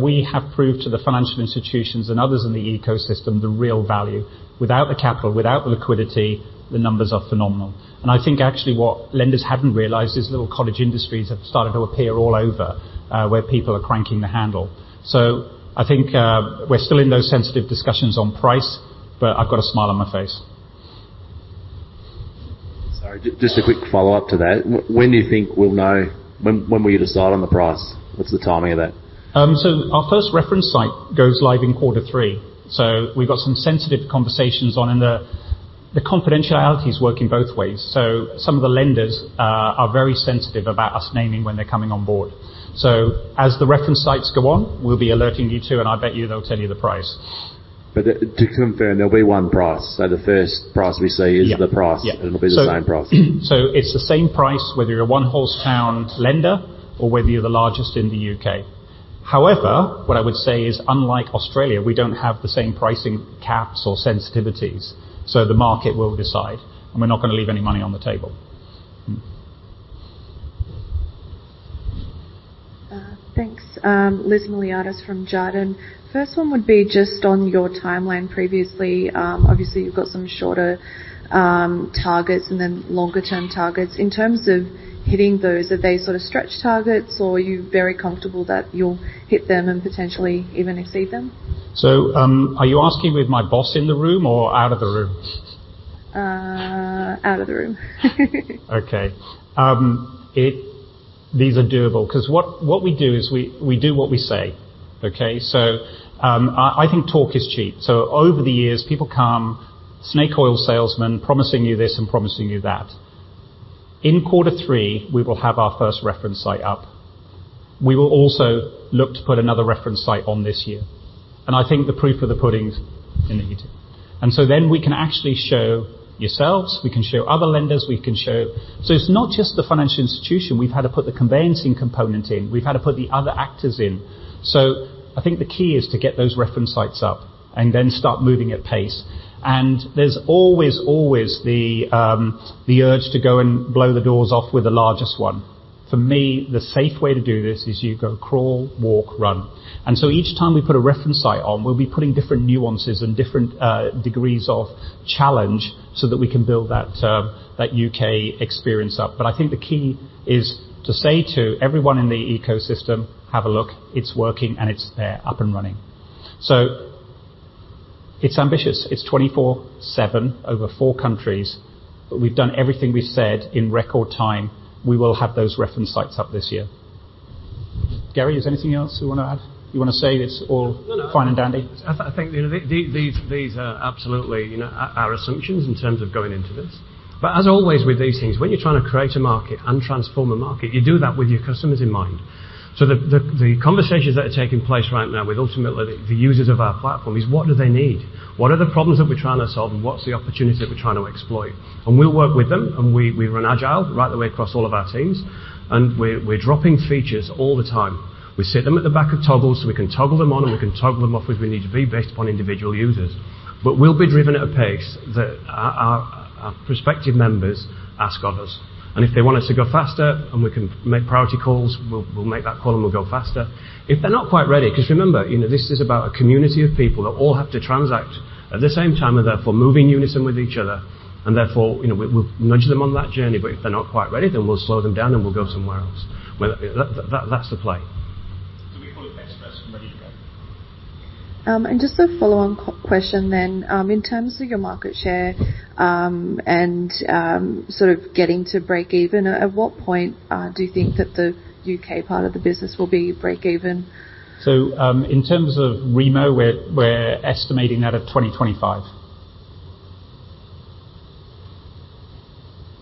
We have proved to the financial institutions and others in the ecosystem the real value. Without the capital, without the liquidity, the numbers are phenomenal. I think actually what lenders haven't realized is little cottage industries have started to appear all over, where people are cranking the handle. I think, we're still in those sensitive discussions on price, but I've got a smile on my face. Sorry. Just a quick follow-up to that. When do you think we'll know? When will you decide on the price? What's the timing of that? Our first reference site goes live in quarter three. We've got some sensitive conversations on, and the confidentiality is working both ways. Some of the lenders are very sensitive about us naming when they're coming on board. As the reference sites go on, we'll be alerting you too, and I bet you they'll tell you the price. To confirm, there'll be one price. The first price we see. Yeah. is the price. Yeah. It'll be the same price. it's the same price whether you're a one-horse town lender or whether you're the largest in the UK. However, what I would say is, unlike Australia, we don't have the same pricing caps or sensitivities, so the market will decide, and we're not going to leave any money on the table. Mm-hmm. Thanks. Liz Miliatis from Jarden. First one would be just on your timeline previously. Obviously, you've got some shorter targets and then longer-term targets. In terms of hitting those, are they sort of stretch targets, or are you very comfortable that you'll hit them and potentially even exceed them? Are you asking with my boss in the room or out of the room? Out of the room. Okay. These are doable 'cause what we do is we do what we say. Okay? I think talk is cheap. Over the years, people come, snake oil salesmen promising you this and promising you that. In quarter three, we will have our first reference site up. We will also look to put another reference site on this year. I think the proof of the pudding is in the eating. We can actually show yourselves, we can show other lenders, we can show. It's not just the financial institution. We've had to put the conveyancing component in. We've had to put the other actors in. I think the key is to get those reference sites up and then start moving at pace. There's always the urge to go and blow the doors off with the largest one. For me, the safe way to do this is you go crawl, walk, run. Each time we put a reference site on, we'll be putting different nuances and different degrees of challenge so that we can build that UK experience up. I think the key is to say to everyone in the ecosystem, have a look, it's working and it's there, up and running. It's ambitious. It's 24/7 over four countries, but we've done everything we said in record time. We will have those reference sites up this year. Gary, is there anything else you want to add? You want to say it's all- No, no. Fine and dandy. I think, you know, these are absolutely, you know, are assumptions in terms of going into this. As always, with these things, when you're trying to create a market and transform a market, you do that with your customers in mind. The conversations that are taking place right now with ultimately the users of our platform is what do they need? What are the problems that we're trying to solve, and what's the opportunity that we're trying to exploit? We'll work with them, and we run Agile right the way across all of our teams, and we're dropping features all the time. We set them at the back of toggles, so we can toggle them on and we can toggle them off as we need to be based upon individual users. We'll be driven at a pace that our prospective members ask of us. If they want us to go faster and we can make priority calls, we'll make that call and we'll go faster. If they're not quite ready, 'cause remember, you know, this is about a community of people that all have to transact at the same time and therefore move in unison with each other, and therefore, you know, we'll nudge them on that journey. If they're not quite ready, then we'll slow them down and we'll go somewhere else. That's the play. Can we go to the next question? Ready to go. Just a follow-on question then. In terms of your market share, and sort of getting to break even, at what point do you think that the UK part of the business will break even? In terms of ReMo, we're estimating that at 2025.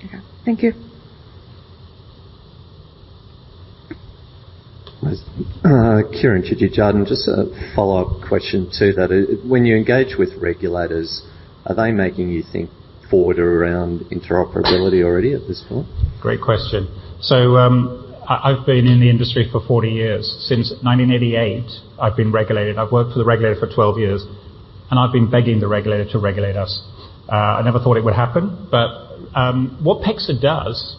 Okay. Thank you. Kieran Great question. I've been in the industry for 40 years. Since 1988, I've been regulated. I've worked for the regulator for 12 years, and I've been begging the regulator to regulate us. I never thought it would happen, but what PEXA does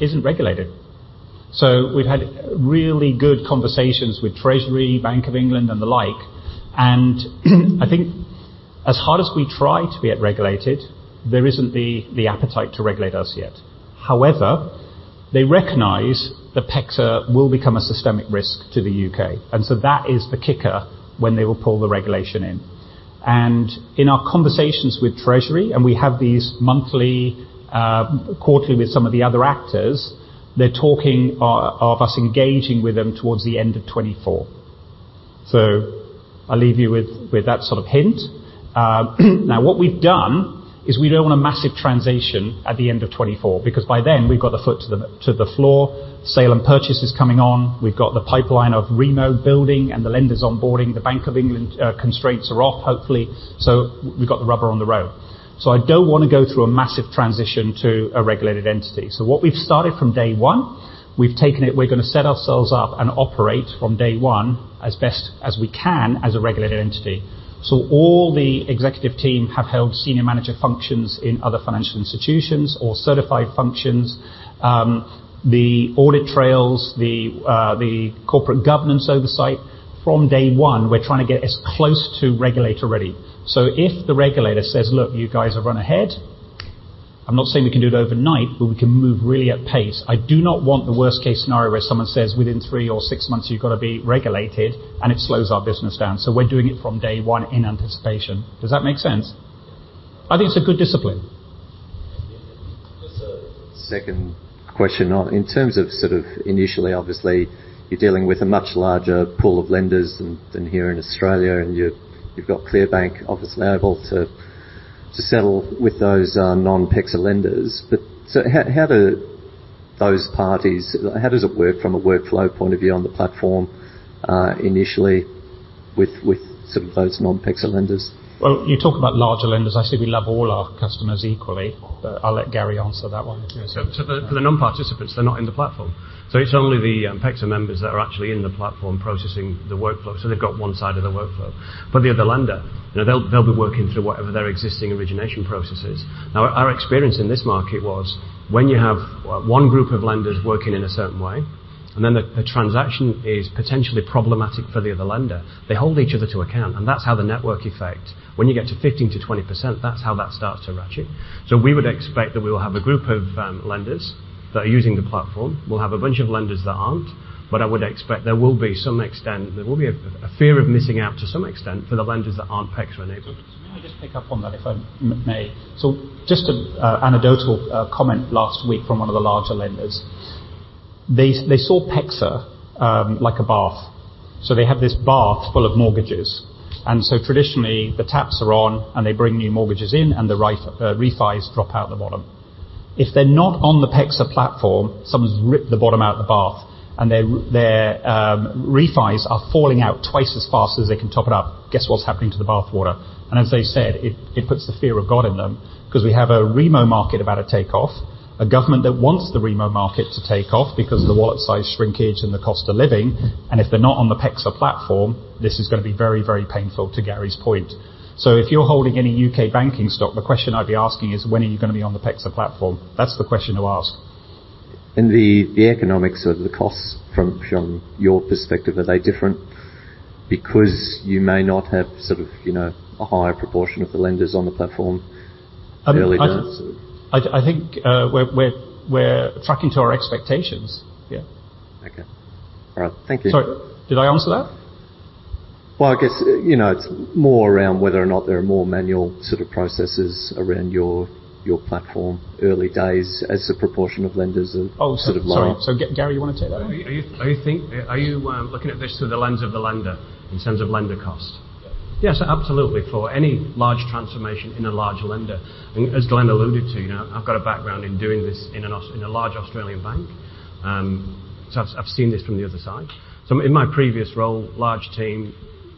isn't regulated. We've had really good conversations with Treasury, Bank of England and the like, and I think as hard as we try to get regulated, there isn't the appetite to regulate us yet. However, they recognize that PEXA will become a systemic risk to the U.K., and so that is the kicker when they will pull the regulation in. In our conversations with Treasury, and we have these monthly, quarterly with some of the other actors, they're talking of us engaging with them towards the end of 2024. I'll leave you with that sort of hint. Now what we've done is we don't want a massive transition at the end of 2024 because by then we've got the foot to the floor, sale and purchase is coming on, we've got the pipeline of ReMo building and the lenders onboarding. The Bank of England constraints are off, hopefully. We've got the rubber on the road. I don't want to go through a massive transition to a regulated entity. What we've started from day one, we've taken it, we're going to set ourselves up and operate from day one as best as we can as a regulated entity. All the executive team have held senior manager functions in other financial institutions or certified functions. The audit trails, the corporate governance oversight. From day one, we're trying to get as close to regulator-ready. If the regulator says, "Look, you guys have run ahead," I'm not saying we can do it overnight, but we can move really at pace. I do not want the worst case scenario where someone says, within three or six months you've going to be regulated, and it slows our business down. We're doing it from day one in anticipation. Does that make sense? I think it's a good discipline. Just a second question. In terms of sort of initially, obviously, you're dealing with a much larger pool of lenders than here in Australia, and you've got ClearBank obviously able to settle with those non-PEXA lenders. How do those parties, how does it work from a workflow point of view on the platform initially with sort of those non-PEXA lenders? Well, you talk about larger lenders. I say we love all our customers equally, but I'll let Gary answer that one. For the non-participants, they're not in the platform. It's only the PEXA members that are actually in the platform processing the workflow, so they've got one side of the workflow. For the other lender, you know, they'll be working through whatever their existing origination process is. Our experience in this market was when you have one group of lenders working in a certain way and then the transaction is potentially problematic for the other lender, they hold each other to account, and that's how the network effect, when you get to 15%-20%, that's how that starts to ratchet. We would expect that we will have a group of lenders that are using the platform. We'll have a bunch of lenders that aren't. What I would expect, there will be a fear of missing out to some extent for the lenders that aren't PEXA-enabled. May I just pick up on that, if I may? Just an anecdotal comment last week from one of the larger lenders. They saw PEXA like a bath. They have this bath full of mortgages. Traditionally, the taps are on and they bring new mortgages in and the refis drop out the bottom. If they're not on the PEXA platform, someone's ripped the bottom out of the bath and their refis are falling out twice as fast as they can top it up. Guess what's happening to the bath water? As they said, it puts the fear of God in them 'cause we have a ReMo market about to take off, a government that wants the ReMo market to take off because of the wallet size shrinkage and the cost of living, and if they're not on the PEXA platform, this is going to be very, very painful, to Gary's point. If you're holding any U.K. banking stock, the question I'd be asking is, when are you going to be on the PEXA platform? That's the question to ask. The economics of the costs from your perspective, are they different because you may not have sort of, you know, a higher proportion of the lenders on the platform early on? I think, we're tracking to our expectations. Yeah. Okay. All right. Thank you. Sorry, did I answer that? Well, I guess, you know, it's more around whether or not there are more manual sort of processes around your platform early days as the proportion of lenders are sort of low. Oh, so sorry. Gary, you want to take that one? Are you looking at this through the lens of the lender in terms of lender cost? Yeah. Yes, absolutely. For any large transformation in a large lender, and as Glenn alluded to, you know, I've got a background in doing this in a large Australian bank. I've seen this from the other side. In my previous role, large team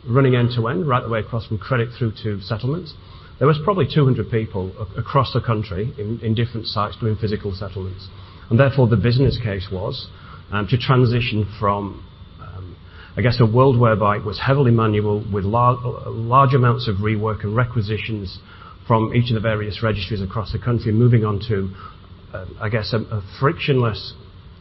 running end-to-end right the way across from credit through to settlements. There was probably 200 people across the country in different sites doing physical settlements. Therefore, the business case was to transition from, I guess, a world whereby it was heavily manual with large amounts of rework and requisitions from each of the various registries across the country, moving on to, I guess, a frictionless,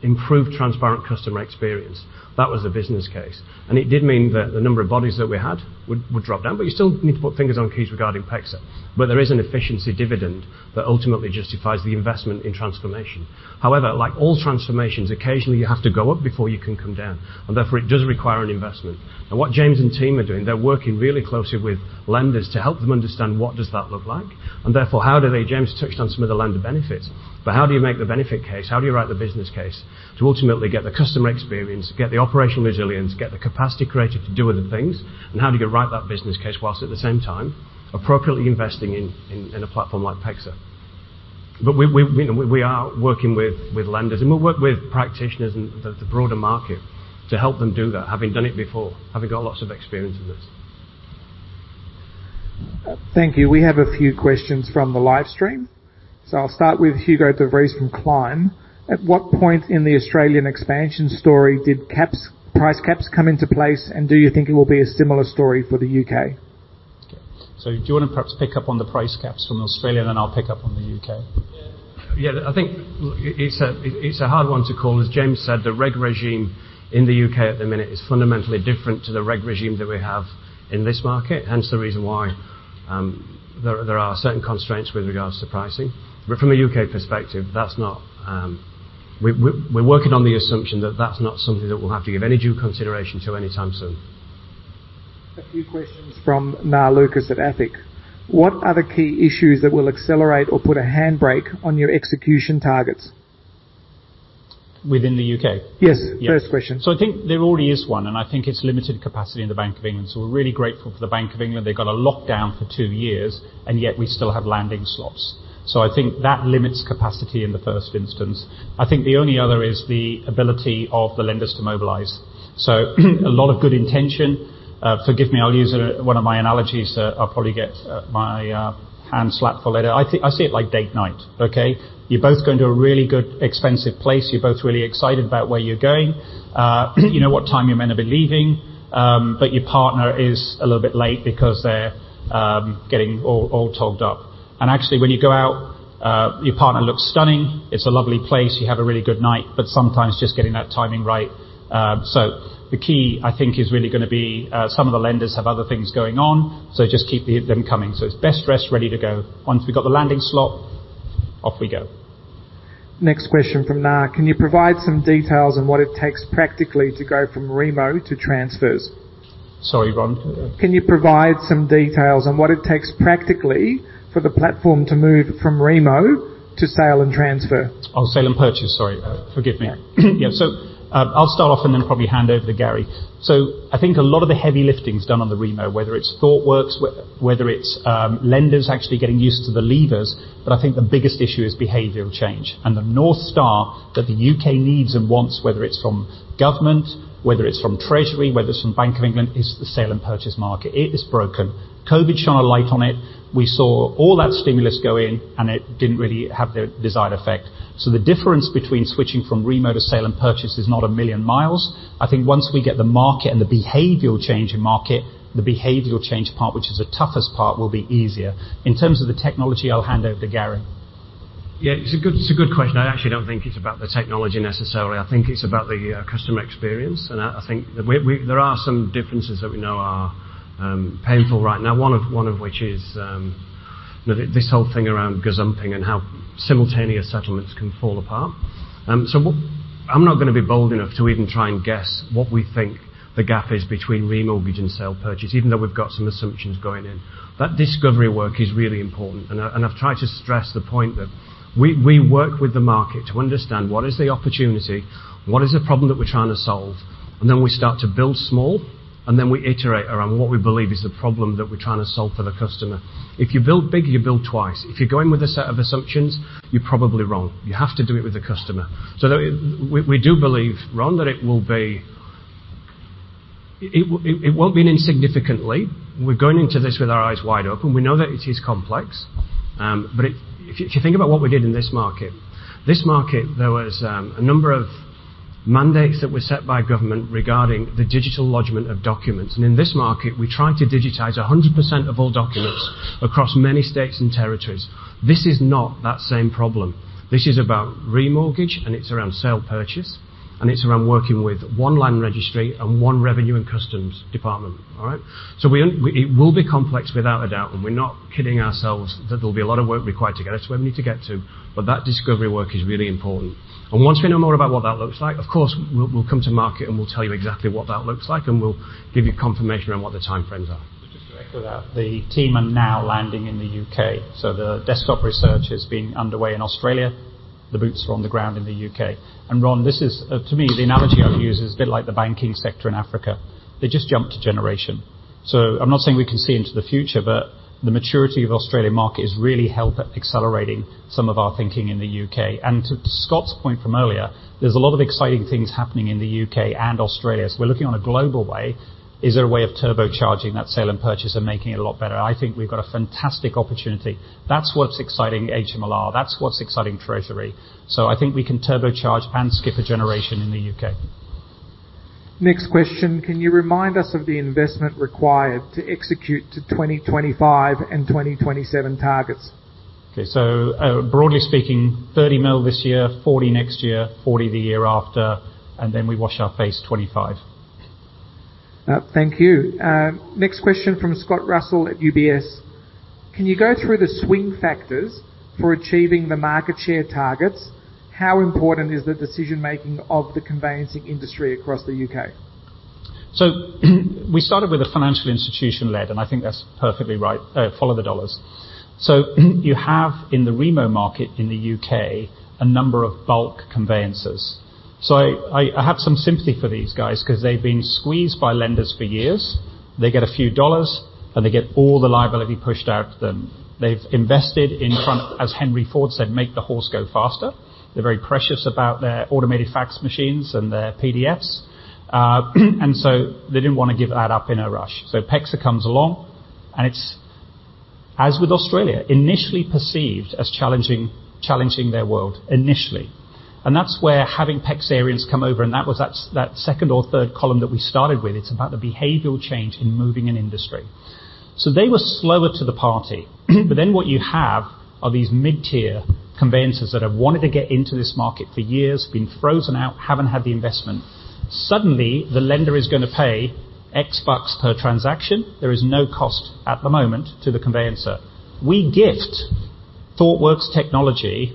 improved, transparent customer experience. That was the business case. It did mean that the number of bodies that we had would drop down, but you still need to put fingers on keys regarding PEXA. There is an efficiency dividend that ultimately justifies the investment in transformation. Like all transformations, occasionally, you have to go up before you can come down. Therefore, it does require an investment. What James and team are doing, they're working really closely with lenders to help them understand what does that look like, and therefore how do they. James touched on some of the lender benefits, but how do you make the benefit case? How do you write the business case to ultimately get the customer experience, get the operational resilience, get the capacity created to do other things, and how do you write that business case while at the same time appropriately investing in a platform like PEXA? We are working with lenders, and we'll work with practitioners in the broader market to help them do that, having done it before, having got lots of experience in this. Thank you. We have a few questions from the live stream. I'll start with Hugo de Vries from Clime. At what point in the Australian expansion story did caps, price caps come into place, and do you think it will be a similar story for the U.K.? Do you want to perhaps pick up on the price caps from Australia, then I'll pick up on the UK? Yeah. I think it's a hard one to call. As James said, the reg regime in the U.K at the minute is fundamentally different to the reg regime that we have in this market, hence the reason why there are certain constraints with regards to pricing. From a U.K perspective, that's not something that we'll have to give any due consideration to anytime soon. A few questions from Nari Lucas at Ethinvest. What are the key issues that will accelerate or put a handbrake on your execution targets? Within the U.K? Yes. Yeah. First question. I think there already is one, and I think it's limited capacity in the Bank of England. We're really grateful for the Bank of England. They've got a lockdown for two years, and yet we still have landing slots. I think that limits capacity in the first instance. I think the only other is the ability of the lenders to mobilize. A lot of good intention. Forgive me, I'll use one of my analogies. I'll probably get my hand slapped for later. I think I see it like date night, okay? You're both going to a really good expensive place. You're both really excited about where you're going. You know what time you meant to be leaving, but your partner is a little bit late because they're getting all togged up. Actually, when you go out, your partner looks stunning. It's a lovely place. You have a really good night, but sometimes just getting that timing right. The key, I think, is really going to be some of the lenders have other things going on, so just keep them coming. It's best dressed, ready to go. Once we've got the landing slot, off we go. Next question from Nar. Can you provide some details on what it takes practically to go from ReMo to transfers? Sorry, Ron? Can you provide some details on what it takes practically for the platform to move from ReMo to sale and transfer? Oh, sale and purchase. Sorry. Forgive me. Yeah. Yeah. I'll start off and then probably hand over to Gary. I think a lot of the heavy lifting is done on the ReMo, whether it's Thoughtworks, whether it's lenders actually getting used to the levers. But I think the biggest issue is behavioral change. The North Star that the U.K needs and wants, whether it's from government, whether it's from Treasury, whether it's from Bank of England, is the sale and purchase market. It is broken. COVID shone a light on it. We saw all that stimulus go in, and it didn't really have the desired effect. The difference between switching from ReMo to sale and purchase is not a million miles. I think once we get the market and the behavioral change in market, the behavioral change part, which is the toughest part, will be easier. In terms of the technology, I'll hand over to Gary. Yeah, it's a good question. I actually don't think it's about the technology necessarily. I think it's about the customer experience. I think there are some differences that we know are painful right now, one of which is this whole thing around gazumping and how simultaneous settlements can fall apart. I'm not going to be bold enough to even try and guess what we think the gap is between remortgage and sale purchase, even though we've got some assumptions going in. That discovery work is really important. I've tried to stress the point that we work with the market to understand what is the opportunity, what is the problem that we're trying to solve, and then we start to build small, and then we iterate around what we believe is the problem that we're trying to solve for the customer. If you build big, you build twice. If you're going with a set of assumptions, you're probably wrong. You have to do it with the customer. We do believe, Ron, that it won't be insignificant. We're going into this with our eyes wide open. We know that it is complex, but if you think about what we did in this market. This market, there was a number of mandates that were set by government regarding the digital lodgment of documents. In this market, we try to digitize 100% of all documents across many states and territories. This is not the same problem. This is about remortgage, and it's around sale and purchase, and it's around working with one Land Registry and one HM Revenue and Customs. It will be complex without a doubt, and we're not kidding ourselves that there'll be a lot of work required to get us where we need to get to, but that discovery work is really important. Once we know more about what that looks like, of course, we'll come to market, and we'll tell you exactly what that looks like, and we'll give you confirmation on what the time frames are. Just to echo that. The team are now landing in the U.K, so the desktop research has been underway in Australia. The boots are on the ground in the U.K. Ron, this is, to me, the analogy I would use is a bit like the banking sector in Africa. They just jumped a generation. I'm not saying we can see into the future, but the maturity of Australian market has really helped at accelerating some of our thinking in the UK. To Scott's point from earlier, there's a lot of exciting things happening in the U.K and Australia. We're looking on a global way, is there a way of turbocharging that sale and purchase and making it a lot better? I think we've got a fantastic opportunity. That's what's exciting HMLR. That's what's exciting Treasury. I think we can turbocharge and skip a generation in the U.K. Next question. Can you remind us of the investment required to execute to 2025 and 2027 targets? Broadly speaking, 30 million this year, 40 million next year, 40 million the year after, and then we wash our face 25 million. Thank you. Next question from Scott Russell at UBS. Can you go through the swing factors for achieving the market share targets? How important is the decision-making of the conveyancing industry across the UK? We started with a financial institution lead, and I think that's perfectly right. Follow the dollars. You have, in the ReMo market in the U.K, a number of bulk conveyancers. I have some sympathy for these guys 'cause they've been squeezed by lenders for years. They get a few dollars, and they get all the liability pushed out to them. As Henry Ford said, "Make the horse go faster." They're very precious about their automated fax machines and their PDFs. They didn't want to give that up in a rush. PEXA comes along, and it's, as with Australia, initially perceived as challenging their world, initially. That's where having PEXArians come over, and that was that second or third column that we started with. It's about the behavioral change in moving an industry. They were slower to the party. What you have are these mid-tier conveyancers that have wanted to get into this market for years, been frozen out, haven't had the investment. Suddenly, the lender is going to pay X bucks per transaction. There is no cost at the moment to the conveyancer. We gift Thoughtworks technology,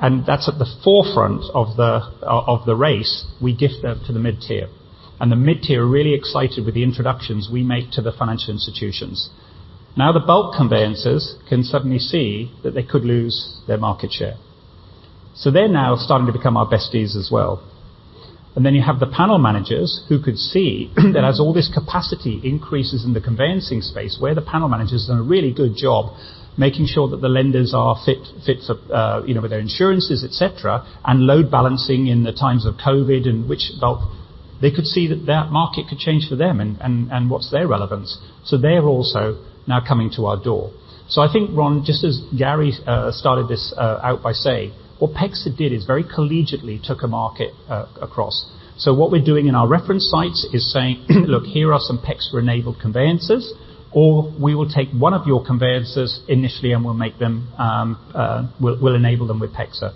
and that's at the forefront of the race. We gift them to the mid-tier. The mid-tier are really excited with the introductions we make to the financial institutions. Now, the bulk conveyancers can suddenly see that they could lose their market share. They're now starting to become our besties as well. You have the panel managers who could see that as all this capacity increases in the conveyancing space, where the panel managers done a really good job making sure that the lenders are fit for, you know, with their insurances, et cetera, and load balancing in the times of COVID. Well, they could see that that market could change for them and what's their relevance. They're also now coming to our door. I think, Ron, just as Gary started this out by saying, what PEXA did is very collegiately took a market across. What we're doing in our reference sites is saying, "Look, here are some PEXA-enabled conveyancers, or we will take one of your conveyancers initially, and we'll enable them with PEXA."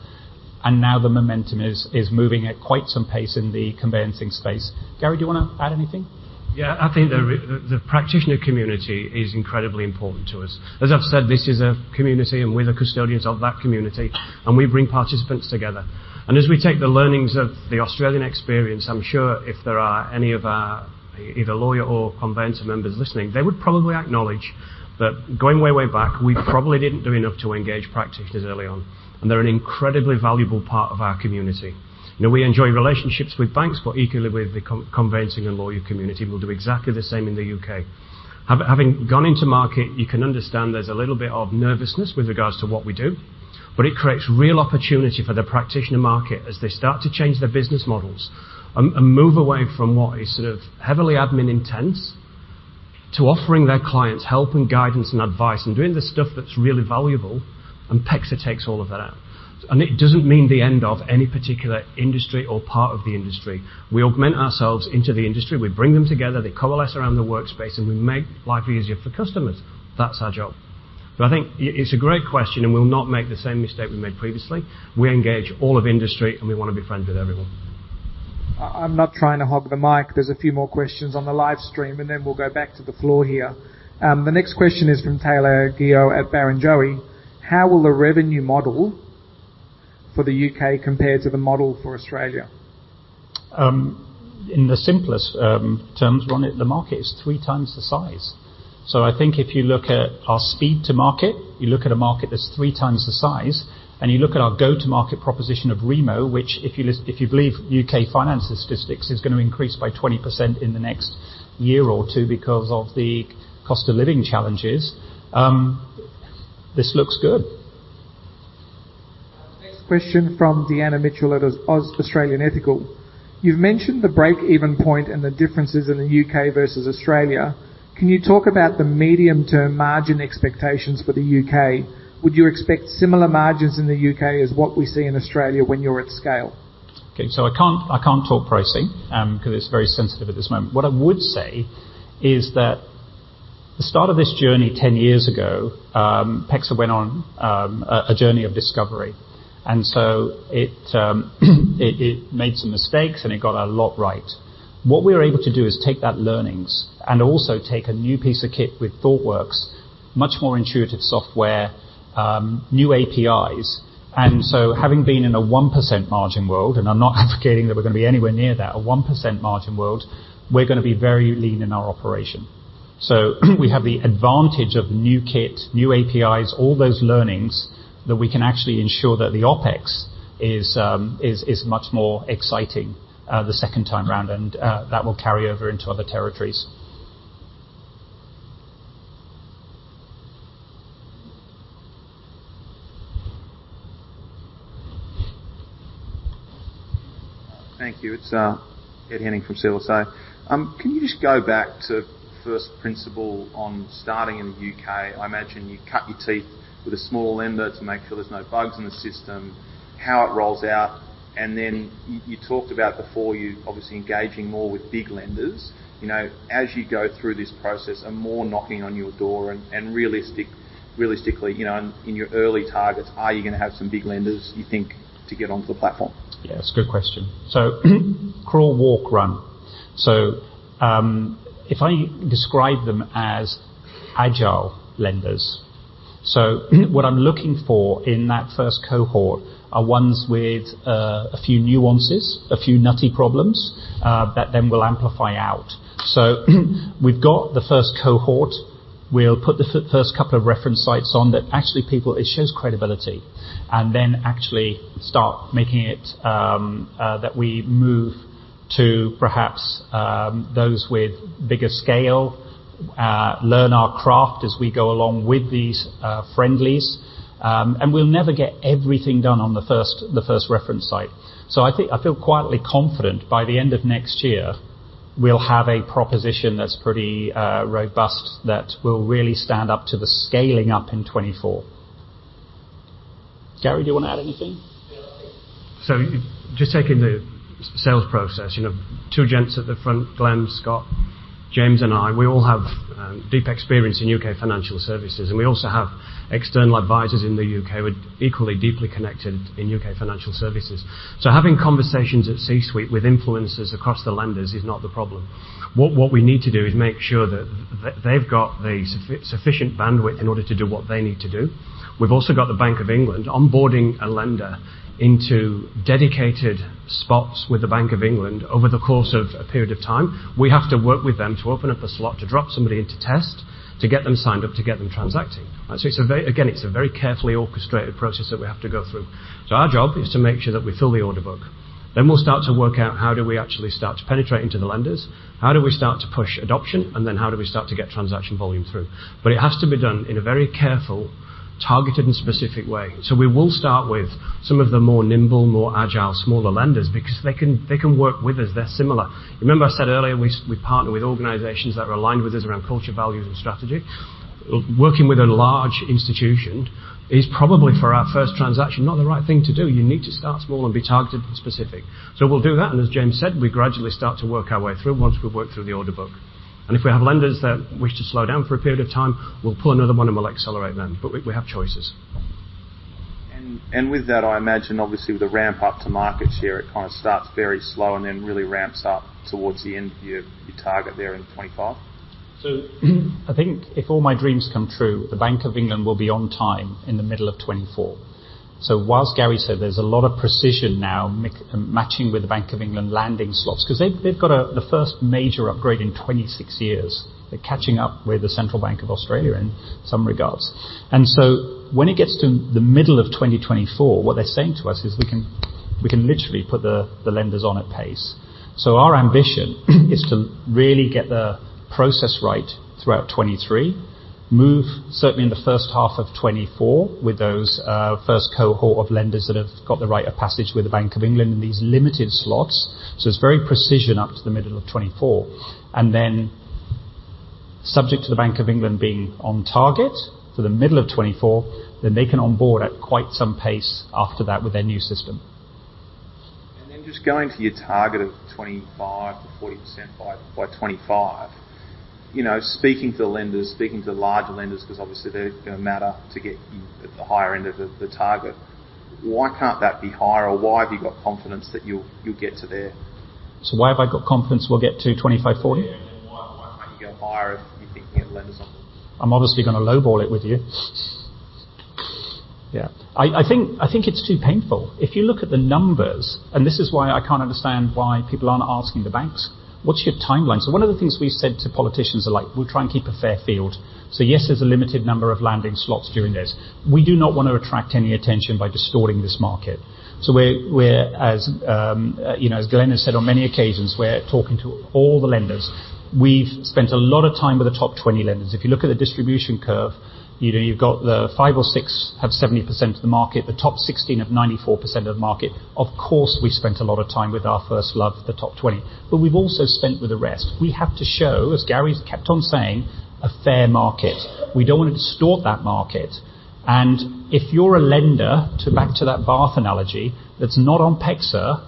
Now the momentum is moving at quite some pace in the conveyancing space. Gary, do you want to add anything? Yeah. I think the practitioner community is incredibly important to us. As I've said, this is a community, and we're the custodians of that community, and we bring participants together. As we take the learnings of the Australian experience, I'm sure if there are any of our either lawyer or conveyancer members listening, they would probably acknowledge that going way back, we probably didn't do enough to engage practitioners early on, and they're an incredibly valuable part of our community. Now, we enjoy relationships with banks but equally with the conveyancing and lawyer community. We'll do exactly the same in the U.K. Having gone into market, you can understand there's a little bit of nervousness with regards to what we do, but it creates real opportunity for the practitioner market as they start to change their business models and move away from what is sort of heavily admin intense to offering their clients help and guidance and advice and doing the stuff that's really valuable, and PEXA takes all of that out. It doesn't mean the end of any particular industry or part of the industry. We augment ourselves into the industry. We bring them together. They coalesce around the workspace, and we make life easier for customers. That's our job. I think it's a great question, and we'll not make the same mistake we made previously. We engage all of industry, and we want to be friends with everyone. I'm not trying to hog the mic. There's a few more questions on the live stream, and then we'll go back to the floor here. The next question is from Taylor Kuel at Barrenjoey. How will the revenue model for the UK compare to the model for Australia? In the simplest terms, Ron, the market is three times the size. I think if you look at our speed to market, you look at a market that's three times the size, and you look at our go-to-market proposition of ReMo, which if you believe UK Finance statistics, is going to increase by 20% in the next year or two because of the cost of living challenges, this looks good. Next question from Deanne Mitchell at Australian Ethical. You've mentioned the break-even point and the differences in the U.K versus Australia. Can you talk about the medium-term margin expectations for the U.K? Would you expect similar margins in the U.K as what we see in Australia when you're at scale? Okay. I can't talk pricing, 'cause it's very sensitive at this moment. What I would say is that the start of this journey ten years ago, PEXA went on a journey of discovery. It made some mistakes and it got a lot right. What we're able to do is take that learnings and also take a new piece of kit with Thoughtworks, much more intuitive software, new APIs. Having been in a 1% margin world, and I'm not advocating that we're going to be anywhere near that, a 1% margin world, we're going to be very lean in our operation. We have the advantage of new kit, new APIs, all those learnings that we can actually ensure that the OpEx is much more exciting the second time around, and that will carry over into other territories. Thank you. It's Ed Henning from CLSA. Can you just go back to first principle on starting in the UK? I imagine you cut your teeth with a small lender to make sure there's no bugs in the system, how it rolls out. Then you talked about before you obviously engaging more with big lenders. You know, as you go through this process and more knocking on your door and realistically, you know, in your early targets, are you going to have some big lenders, you think, to get onto the platform? Yeah, it's a good question. Crawl, walk, run. If I describe them as agile lenders. What I'm looking for in that first cohort are ones with a few nuances, a few knotty problems that then will amplify out. We've got the first cohort. We'll put the first couple of reference sites on that actually people. It shows credibility, and then actually start making it that we move to perhaps those with bigger scale, learn our craft as we go along with these friendlies. We'll never get everything done on the first reference site. I think I feel quietly confident by the end of next year we'll have a proposition that's pretty robust that will really stand up to the scaling up in 2024. Gary, do you want to add anything? Just taking the sales process, you know, two gents at the front, Glenn, Scott, James and I, we all have deep experience in U.K financial services, and we also have external advisors in the UK with equally deep connections in U.K financial services. Having conversations at C-suite with influencers across the lenders is not the problem. What we need to do is make sure that they've got the sufficient bandwidth in order to do what they need to do. We've also got the Bank of England onboarding a lender into dedicated spots with the Bank of England over the course of a period of time. We have to work with them to open up a slot, to drop somebody in to test, to get them signed up, to get them transacting. Again, it's a very carefully orchestrated process that we have to go through. Our job is to make sure that we fill the order book. We'll start to work out how do we actually start to penetrate into the lenders? How do we start to push adoption? How do we start to get transaction volume through? It has to be done in a very careful, targeted, and specific way. We will start with some of the more nimble, more agile, smaller lenders because they can work with us. They're similar. Remember I said earlier, we partner with organizations that are aligned with us around culture, values, and strategy. Working with a large institution is probably, for our first transaction, not the right thing to do. You need to start small and be targeted and specific. We'll do that, and as James said, we gradually start to work our way through once we've worked through the order book. If we have lenders that wish to slow down for a period of time, we'll pull another one, and we'll accelerate them. We have choices. With that, I imagine obviously with the ramp up to market share, it kind of starts very slow and then really ramps up towards the end of your target there in 25. I think if all my dreams come true, the Bank of England will be on time in the middle of 2024. While Gary said there's a lot of precision now matching with the Bank of England landing slots, 'cause they've got the first major upgrade in 26 years. They're catching up with the Central Bank of Australia in some regards. When it gets to the middle of 2024, what they're saying to us is we can literally put the lenders on at pace. Our ambition is to really get the process right throughout 2023, move certainly in the first half of 2024 with those first cohort of lenders that have got the rite of passage with the Bank of England in these limited slots. It's very precise up to the middle of 2024. Subject to the Bank of England being on target for the middle of 2024, then they can onboard at quite some pace after that with their new system. Just going to your target of 25%-40% by 2025. You know, speaking to the lenders, speaking to the larger lenders, 'cause obviously they're going to matter to get you at the higher end of the target, why can't that be higher or why have you got confidence that you'll get to there? Why have I got confidence we'll get to 25, 40? Yeah. Why can't you go higher if you're thinking of lenders? I'm obviously going to lowball it with you. Yeah. I think it's too painful. If you look at the numbers, and this is why I can't understand why people aren't asking the banks, "What's your timeline?" One of the things we've said to politicians are like, "We'll try and keep a fair field." Yes, there's a limited number of landing slots during this. We do not want to attract any attention by distorting this market. We're as you know as Glenn has said on many occasions, we're talking to all the lenders. We've spent a lot of time with the top 20 lenders. If you look at the distribution curve, you know, you've got the 5 or 6 have 70% of the market. The top 16 have 94% of the market. Of course, we spent a lot of time with our first love, the top 20. We've also spent with the rest. We have to show, as Gary's kept on saying, a fair market. We don't want to distort that market. If you're a lender, back to that bath analogy, that's not on PEXA.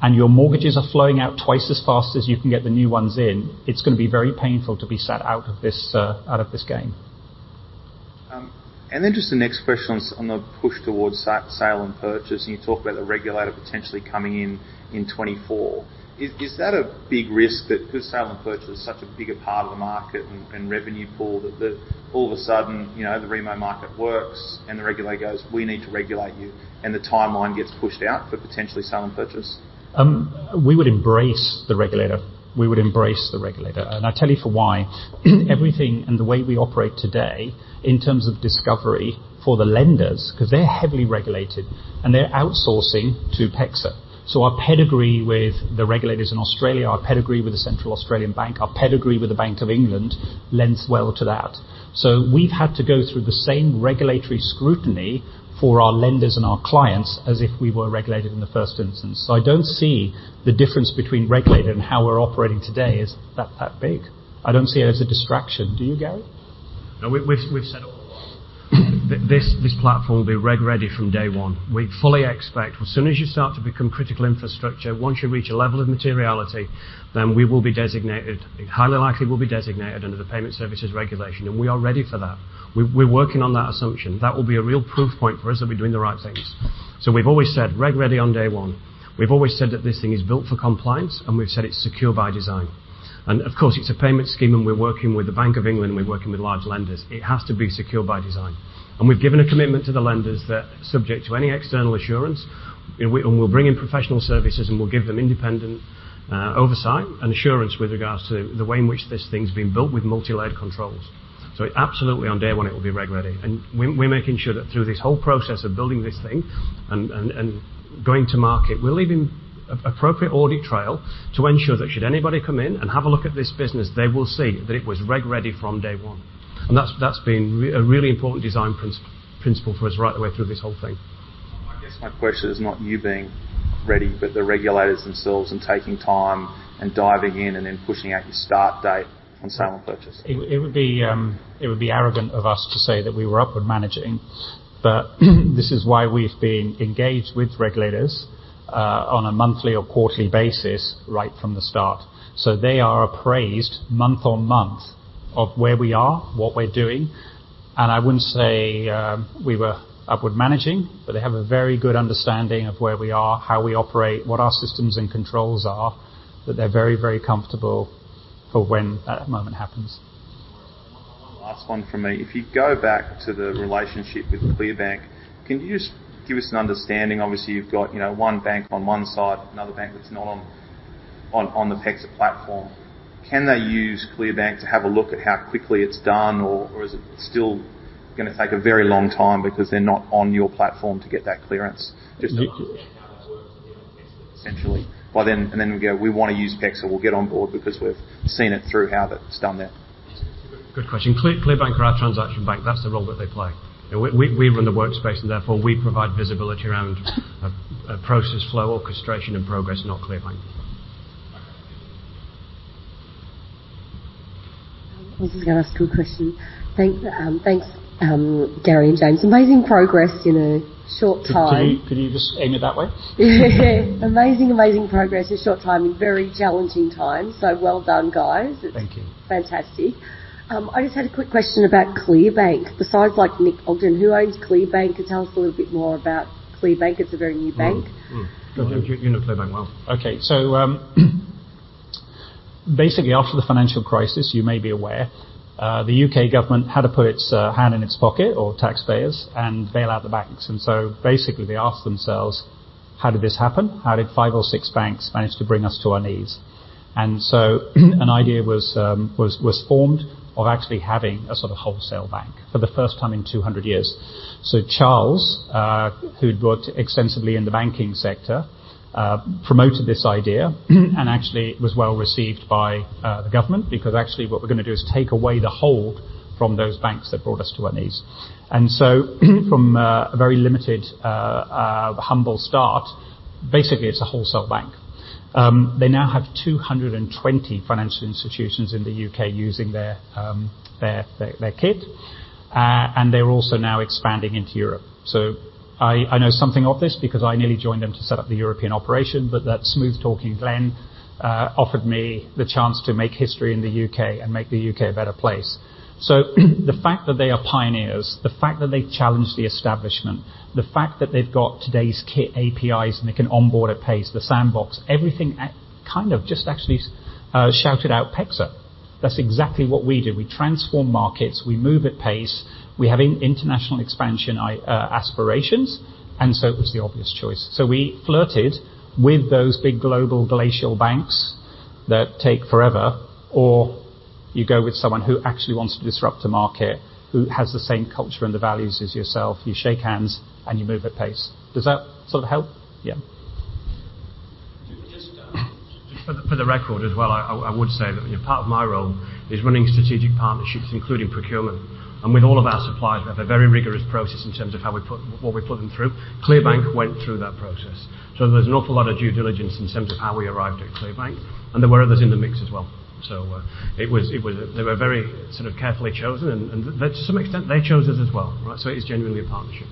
And your mortgages are flowing out twice as fast as you can get the new ones in, it's going to be very painful to be sat out of this game. Just the next question on the push towards sale and purchase, and you talk about the regulator potentially coming in in 2024. Is that a big risk that because sale and purchase is such a bigger part of the market and revenue pool that all of a sudden, you know, the ReMo market works and the regulator goes, "We need to regulate you," and the timeline gets pushed out for potentially sale and purchase? We would embrace the regulator, and I tell you for why. Everything about the way we operate today in terms of discovery for the lenders, 'cause they're heavily regulated and they're outsourcing to PEXA. Our pedigree with the regulators in Australia, our pedigree with the Reserve Bank of Australia, our pedigree with the Bank of England lends well to that. We've had to go through the same regulatory scrutiny for our lenders and our clients as if we were regulated in the first instance. I don't see the difference between regulated and how we're operating today is that big. I don't see it as a distraction. Do you, Gary? No. We've said all along that this platform will be reg ready from day one. We fully expect as soon as you start to become critical infrastructure, once you reach a level of materiality, then we will be designated. It's highly likely we'll be designated under the Payment Services Regulation, and we are ready for that. We're working on that assumption. That will be a real proof point for us that we're doing the right things. We've always said reg ready on day one. We've always said that this thing is built for compliance, and we've said it's secure by design. Of course it's a payment scheme, and we're working with the Bank of England. We're working with large lenders. It has to be secure by design. We've given a commitment to the lenders that subject to any external assurance, we'll bring in professional services and we'll give them independent oversight and assurance with regards to the way in which this thing's been built with multi-layered controls. Absolutely on day one it will be reg ready. We're making sure that through this whole process of building this thing and going to market, we're leaving an appropriate audit trail to ensure that should anybody come in and have a look at this business, they will see that it was reg ready from day one. That's been really important design principle for us right the way through this whole thing. I guess my question is not you being ready, but the regulators themselves taking time and diving in and then pushing out your start date on sale and purchase. It would be arrogant of us to say that we were upward managing, but this is why we've been engaged with regulators on a monthly or quarterly basis right from the start. They are apprised month on month of where we are, what we're doing, and I wouldn't say we were upward managing, but they have a very good understanding of where we are, how we operate, what our systems and controls are, that they're very, very comfortable for when that moment happens. One last one from me. If you go back to the relationship with ClearBank, can you just give us an understanding? Obviously, you've got, you know, one bank on one side, another bank that's not on the PEXA platform. Can they use ClearBank to have a look at how quickly it's done or is it still going to take a very long time because they're not on your platform to get that clearance? How it works within PEXA essentially. Well, we want to use PEXA. We'll get on board because we've seen it through how that's done there. Good question. ClearBank are our transaction bank. That's the role that they play. We run the workspace, and therefore we provide visibility around a process flow, orchestration and progress, not ClearBank. I was just going to ask a quick question. Thanks, Gary and James. Amazing progress in a short time. Could you just aim it that way? Yeah. Amazing, amazing progress in a short time in very challenging times. Well done, guys. Thank you. It's fantastic. I just had a quick question about ClearBank. Besides like Nick Ogden, who owns ClearBank? Could you tell us a little bit more about ClearBank? It's a very new bank. Mm. Mm. You know ClearBank well. Okay. Basically after the financial crisis, you may be aware, the U.K. government had to put its hand in its pocket or taxpayers and bail out the banks. Basically they asked themselves. How did this happen? How did five or six banks manage to bring us to our knees? An idea was formed of actually having a sort of wholesale bank for the first time in 200 years. Charles, who'd worked extensively in the banking sector, promoted this idea and actually was well received by the government because actually what we're going to do is take away the hold from those banks that brought us to our knees. From a very limited, humble start, basically it's a wholesale bank. They now have 220 financial institutions in the U.K using their kit. They're also now expanding into Europe. I know something of this because I nearly joined them to set up the European operation, but that smooth-talking Glenn offered me the chance to make history in the UK and make the UK a better place. The fact that they are pioneers, the fact that they challenge the establishment, the fact that they've got today's kit APIs and they can onboard at pace, the sandbox. Everything kind of just actually shouted out PEXA. That's exactly what we do. We transform markets, we move at pace, we have international expansion aspirations, and it was the obvious choice. We flirted with those big global glacial banks that take forever or you go with someone who actually wants to disrupt the market, who has the same culture and the values as yourself. You shake hands and you move at pace. Does that sort of help? Yeah. Just for the record as well, I would say that, you know, part of my role is running strategic partnerships, including procurement. With all of our suppliers we have a very rigorous process in terms of what we put them through. ClearBank went through that process. There was an awful lot of due diligence in terms of how we arrived at ClearBank, and there were others in the mix as well. It was. They were very sort of carefully chosen and they to some extent chose us as well, right? It is genuinely a partnership.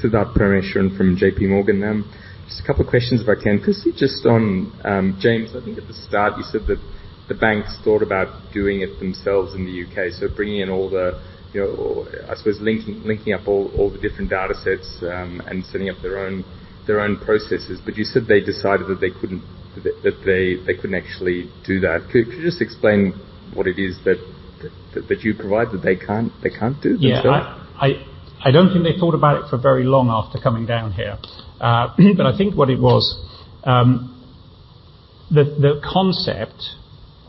Siddhartha Parameswaran from JPMorgan. Just a couple questions if I can. Could you just, James, I think at the start you said that the banks thought about doing it themselves in the U.K, so bringing in all the, you know, or I suppose linking up all the different data sets, and setting up their own processes. You said they decided that they couldn't actually do that. Could you just explain what it is that you provide that they can't do themselves? Yeah. I don't think they thought about it for very long after coming down here. I think what it was, the concept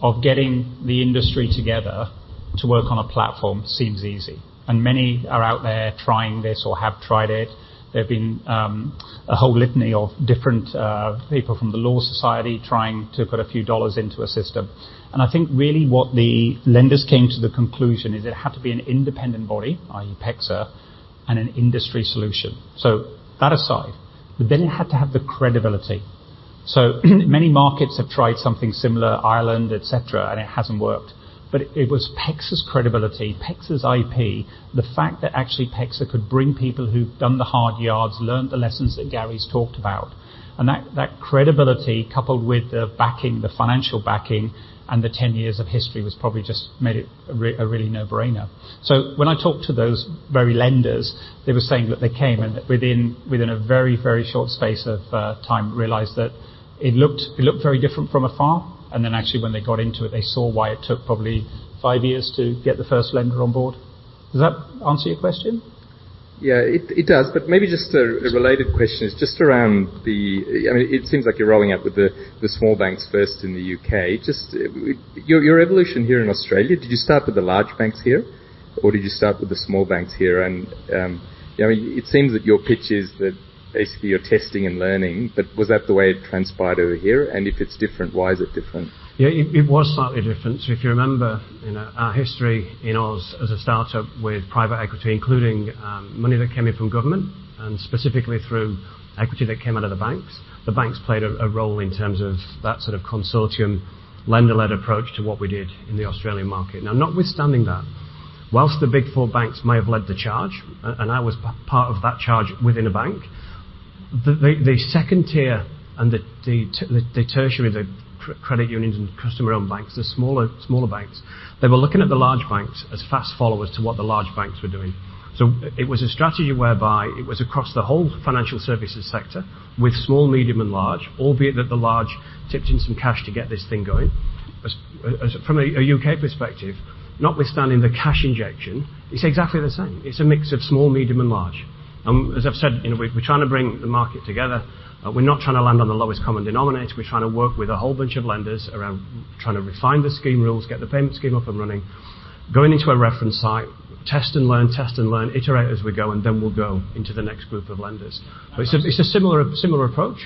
of getting the industry together to work on a platform seems easy, and many are out there trying this or have tried it. There have been a whole litany of different people from the law society trying to put a few dollars into a system. I think really what the lenders came to the conclusion is it had to be an independent body, i.e., PEXA, and an industry solution. That aside, but then it had to have the credibility. Many markets have tried something similar, Ireland, et cetera, and it hasn't worked. It was PEXA's credibility, PEXA's IP, the fact that actually PEXA could bring people who've done the hard yards, learned the lessons that Gary's talked about, and that credibility coupled with the backing, the financial backing and the 10 years of history was probably just made it a really no-brainer. When I talked to those very lenders, they were saying that they came and within a very, very short space of time realized that it looked very different from afar, and then actually when they got into it, they saw why it took probably five years to get the first lender on board. Does that answer your question? Yeah, it does. Sure. A related question. It's just around the, I mean, it seems like you're rolling out with the small banks first in the U.K. Just your evolution here in Australia, did you start with the large banks here or did you start with the small banks here? You know, it seems that your pitch is that basically you're testing and learning, but was that the way it transpired over here? If it's different, why is it different? Yeah, it was slightly different. If you remember, you know, our history in Aus as a startup with private equity, including money that came in from government and specifically through equity that came out of the banks, the banks played a role in terms of that sort of consortium lender-led approach to what we did in the Australian market. Now notwithstanding that, while the Big Four banks may have led the charge, and I was part of that charge within a bank, the second tier and the tertiary, the credit unions and customer-owned banks, the smaller banks, they were looking at the large banks as fast followers to what the large banks were doing. It was a strategy whereby it was across the whole financial services sector with small, medium, and large, albeit that the large tipped in some cash to get this thing going. From a UK perspective, notwithstanding the cash injection, it's exactly the same. It's a mix of small, medium, and large. As I've said, you know, we're trying to bring the market together. We're not trying to land on the lowest common denominator. We're trying to work with a whole bunch of lenders around trying to refine the scheme rules, get the payment scheme up and running, going into a reference site, test and learn, iterate as we go, and then we'll go into the next group of lenders. Okay. It's a similar approach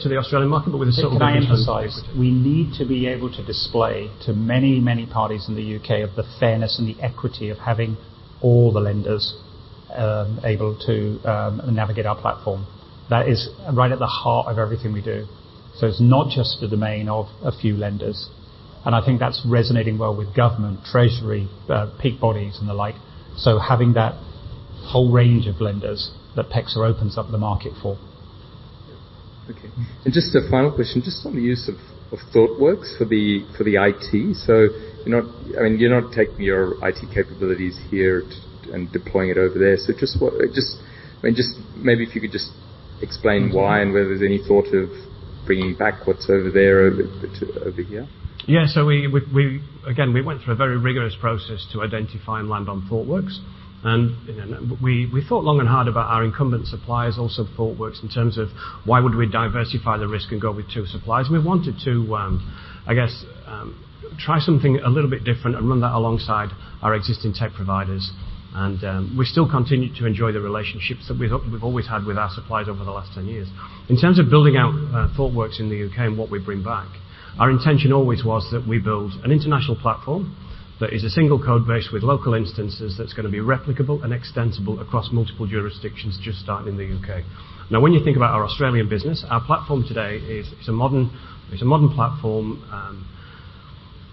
to the Australian market, but with a slightly different- Can I emphasize, we need to be able to display to many, many parties in the UK of the fairness and the equity of having all the lenders able to navigate our platform. That is right at the heart of everything we do. It's not just the domain of a few lenders, and I think that's resonating well with government, Treasury, peak bodies and the like. Having that whole range of lenders that PEXA opens up the market for. Okay. Just a final question. Just on the use of Thoughtworks for the IT. So you're not, I mean, you're not taking your IT capabilities here and deploying it over there. I mean, just maybe if you could just explain why? Mm-hmm. Whether there's any thought of bringing back what's over there over here. We went through a very rigorous process to identify and land on Thoughtworks. You know, we thought long and hard about our incumbent suppliers, also Thoughtworks, in terms of why would we diversify the risk and go with two suppliers. We wanted to, I guess, try something a little bit different and run that alongside our existing tech providers. We still continue to enjoy the relationships that we've always had with our suppliers over the last 10 years. In terms of building out Thoughtworks in the U.K and what we bring back, our intention always was that we build an international platform that is a single code base with local instances that's going to be replicable and extensible across multiple jurisdictions just starting in the U.K. Now, when you think about our Australian business, our platform today is a modern platform.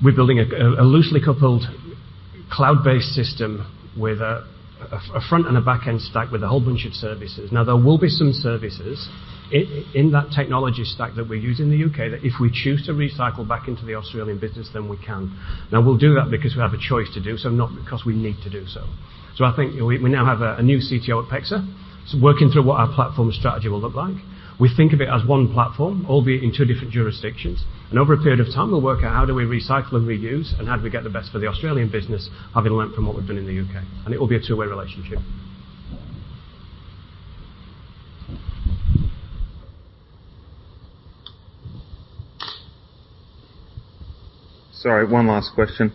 We're building a loosely coupled cloud-based system with a front and back-end stack with a whole bunch of services. Now, there will be some services in that technology stack that we use in the U.K that if we choose to recycle back into the Australian business, then we can. Now we'll do that because we have a choice to do so, not because we need to do so. I think we now have a new CTO at PEXA working through what our platform strategy will look like. We think of it as one platform, albeit in two different jurisdictions. Over a period of time, we'll work out how do we recycle and reuse and how do we get the best for the Australian business, having learned from what we've done in the U.K. It will be a two-way relationship. Sorry, one last question.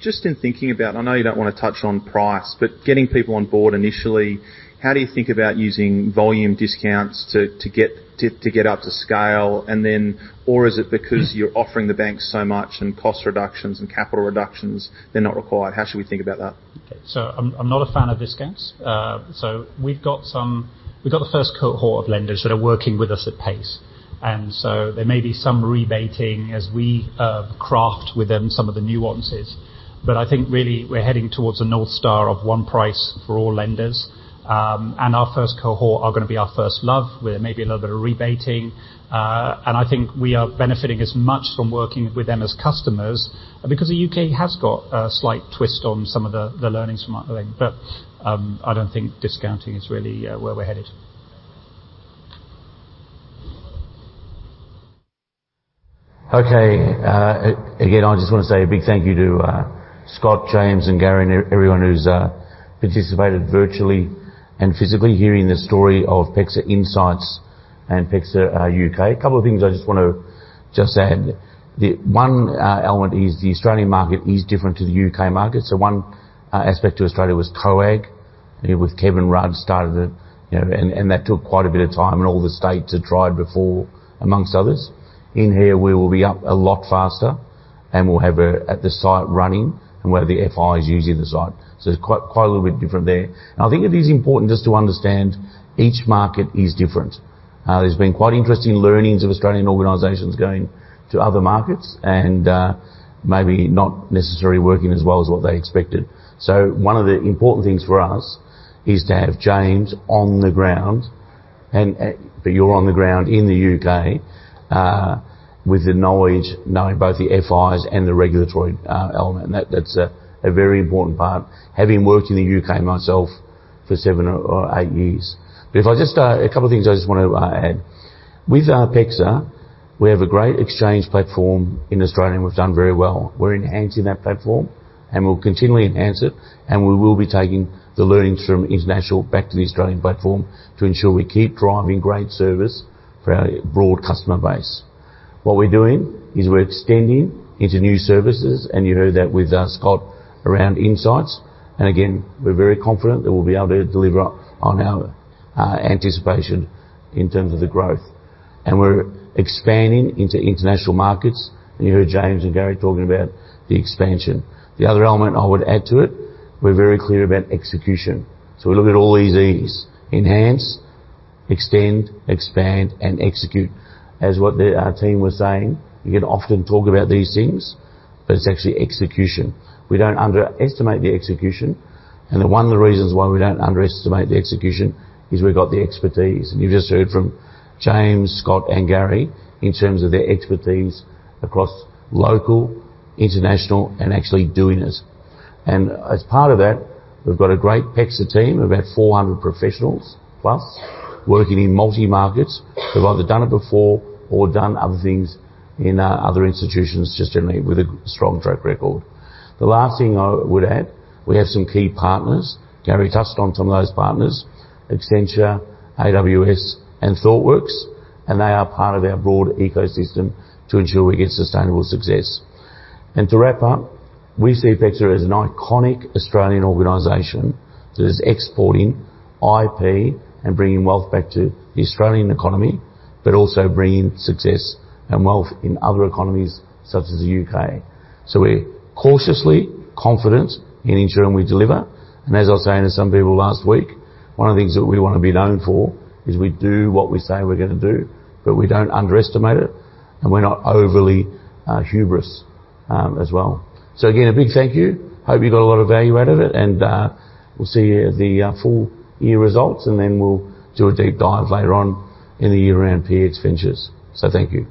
Just in thinking about, I know you don't want to touch on price, but getting people on board initially, how do you think about using volume discounts to get up to scale and then. Is it because you're offering the banks so much and cost reductions and capital reductions, they're not required? How should we think about that? I'm not a fan of discounts. We've got the first cohort of lenders that are working with us at pace There may be some rebating as we craft with them some of the nuances. I think really we're heading towards a North Star of one price for all lenders. Our first cohort are going to be our first love, where there may be a little bit of rebating. I think we are benefiting as much from working with them as customers, because the UK has got a slight twist on some of the learnings from our learning. I don't think discounting is really where we're headed. Okay. Again, I just want to say a big thank you to Scott, James, and Gary, and everyone who's participated virtually and physically hearing the story of PEXA Insights and PEXA U.K. Couple of things I just want to add. The one element is the Australian market is different to the U.K market. One aspect to Australia was COAG. With Kevin Rudd started it, you know, and that took quite a bit of time, and all the states had tried before, amongst others. In here, we will be up a lot faster and we'll have at the site running and where the FI is using the site. It's quite a little bit different there. I think it is important just to understand each market is different. There's been quite interesting learnings of Australian organizations going to other markets and, maybe not necessarily working as well as what they expected. One of the important things for us is to have James on the ground and but you're on the ground in the U.K, with the knowledge, knowing both the FIs and the regulatory element. That's a very important part, having worked in the U.K myself for seven or eight years. If I just add a couple of things I just want to add. With PEXA, we have a great exchange platform in Australia, and we've done very well. We're enhancing that platform, and we'll continually enhance it, and we will be taking the learnings from international back to the Australian platform to ensure we keep driving great service for our broad customer base. What we're doing is we're extending into new services, and you heard that with Scott on Insights. We're very confident that we'll be able to deliver on our anticipation in terms of the growth. We're expanding into international markets. You heard James and Gary talking about the expansion. The other element I would add to it, we're very clear about execution. We look at all these Es, enhance, extend, expand, and execute. As what the team was saying, you can often talk about these things, but it's actually execution. We don't underestimate the execution, and then one of the reasons why we don't underestimate the execution is we've got the expertise. You just heard from James, Scott, and Gary in terms of their expertise across local, international, and actually doing this. As part of that, we've got a great PEXA team, about 400 professionals plus working in multi markets. They've either done it before or done other things in other institutions, just generally with a strong track record. The last thing I would add, we have some key partners. Gary touched on some of those partners, Accenture, AWS, and Thoughtworks, and they are part of our broad ecosystem to ensure we get sustainable success. To wrap up, we see PEXA as an iconic Australian organization that is exporting IP and bringing wealth back to the Australian economy, but also bringing success and wealth in other economies such as the U.K. We're cautiously confident in ensuring we deliver. As I was saying to some people last week, one of the things that we want to be known for is we do what we say we're going to do, but we don't underestimate it, and we're not overly hubristic as well. Again, a big thank you. Hope you got a lot of value out of it, and we'll see you at the full year results, and then we'll do a deep dive later on in the year around PX Ventures. Thank you.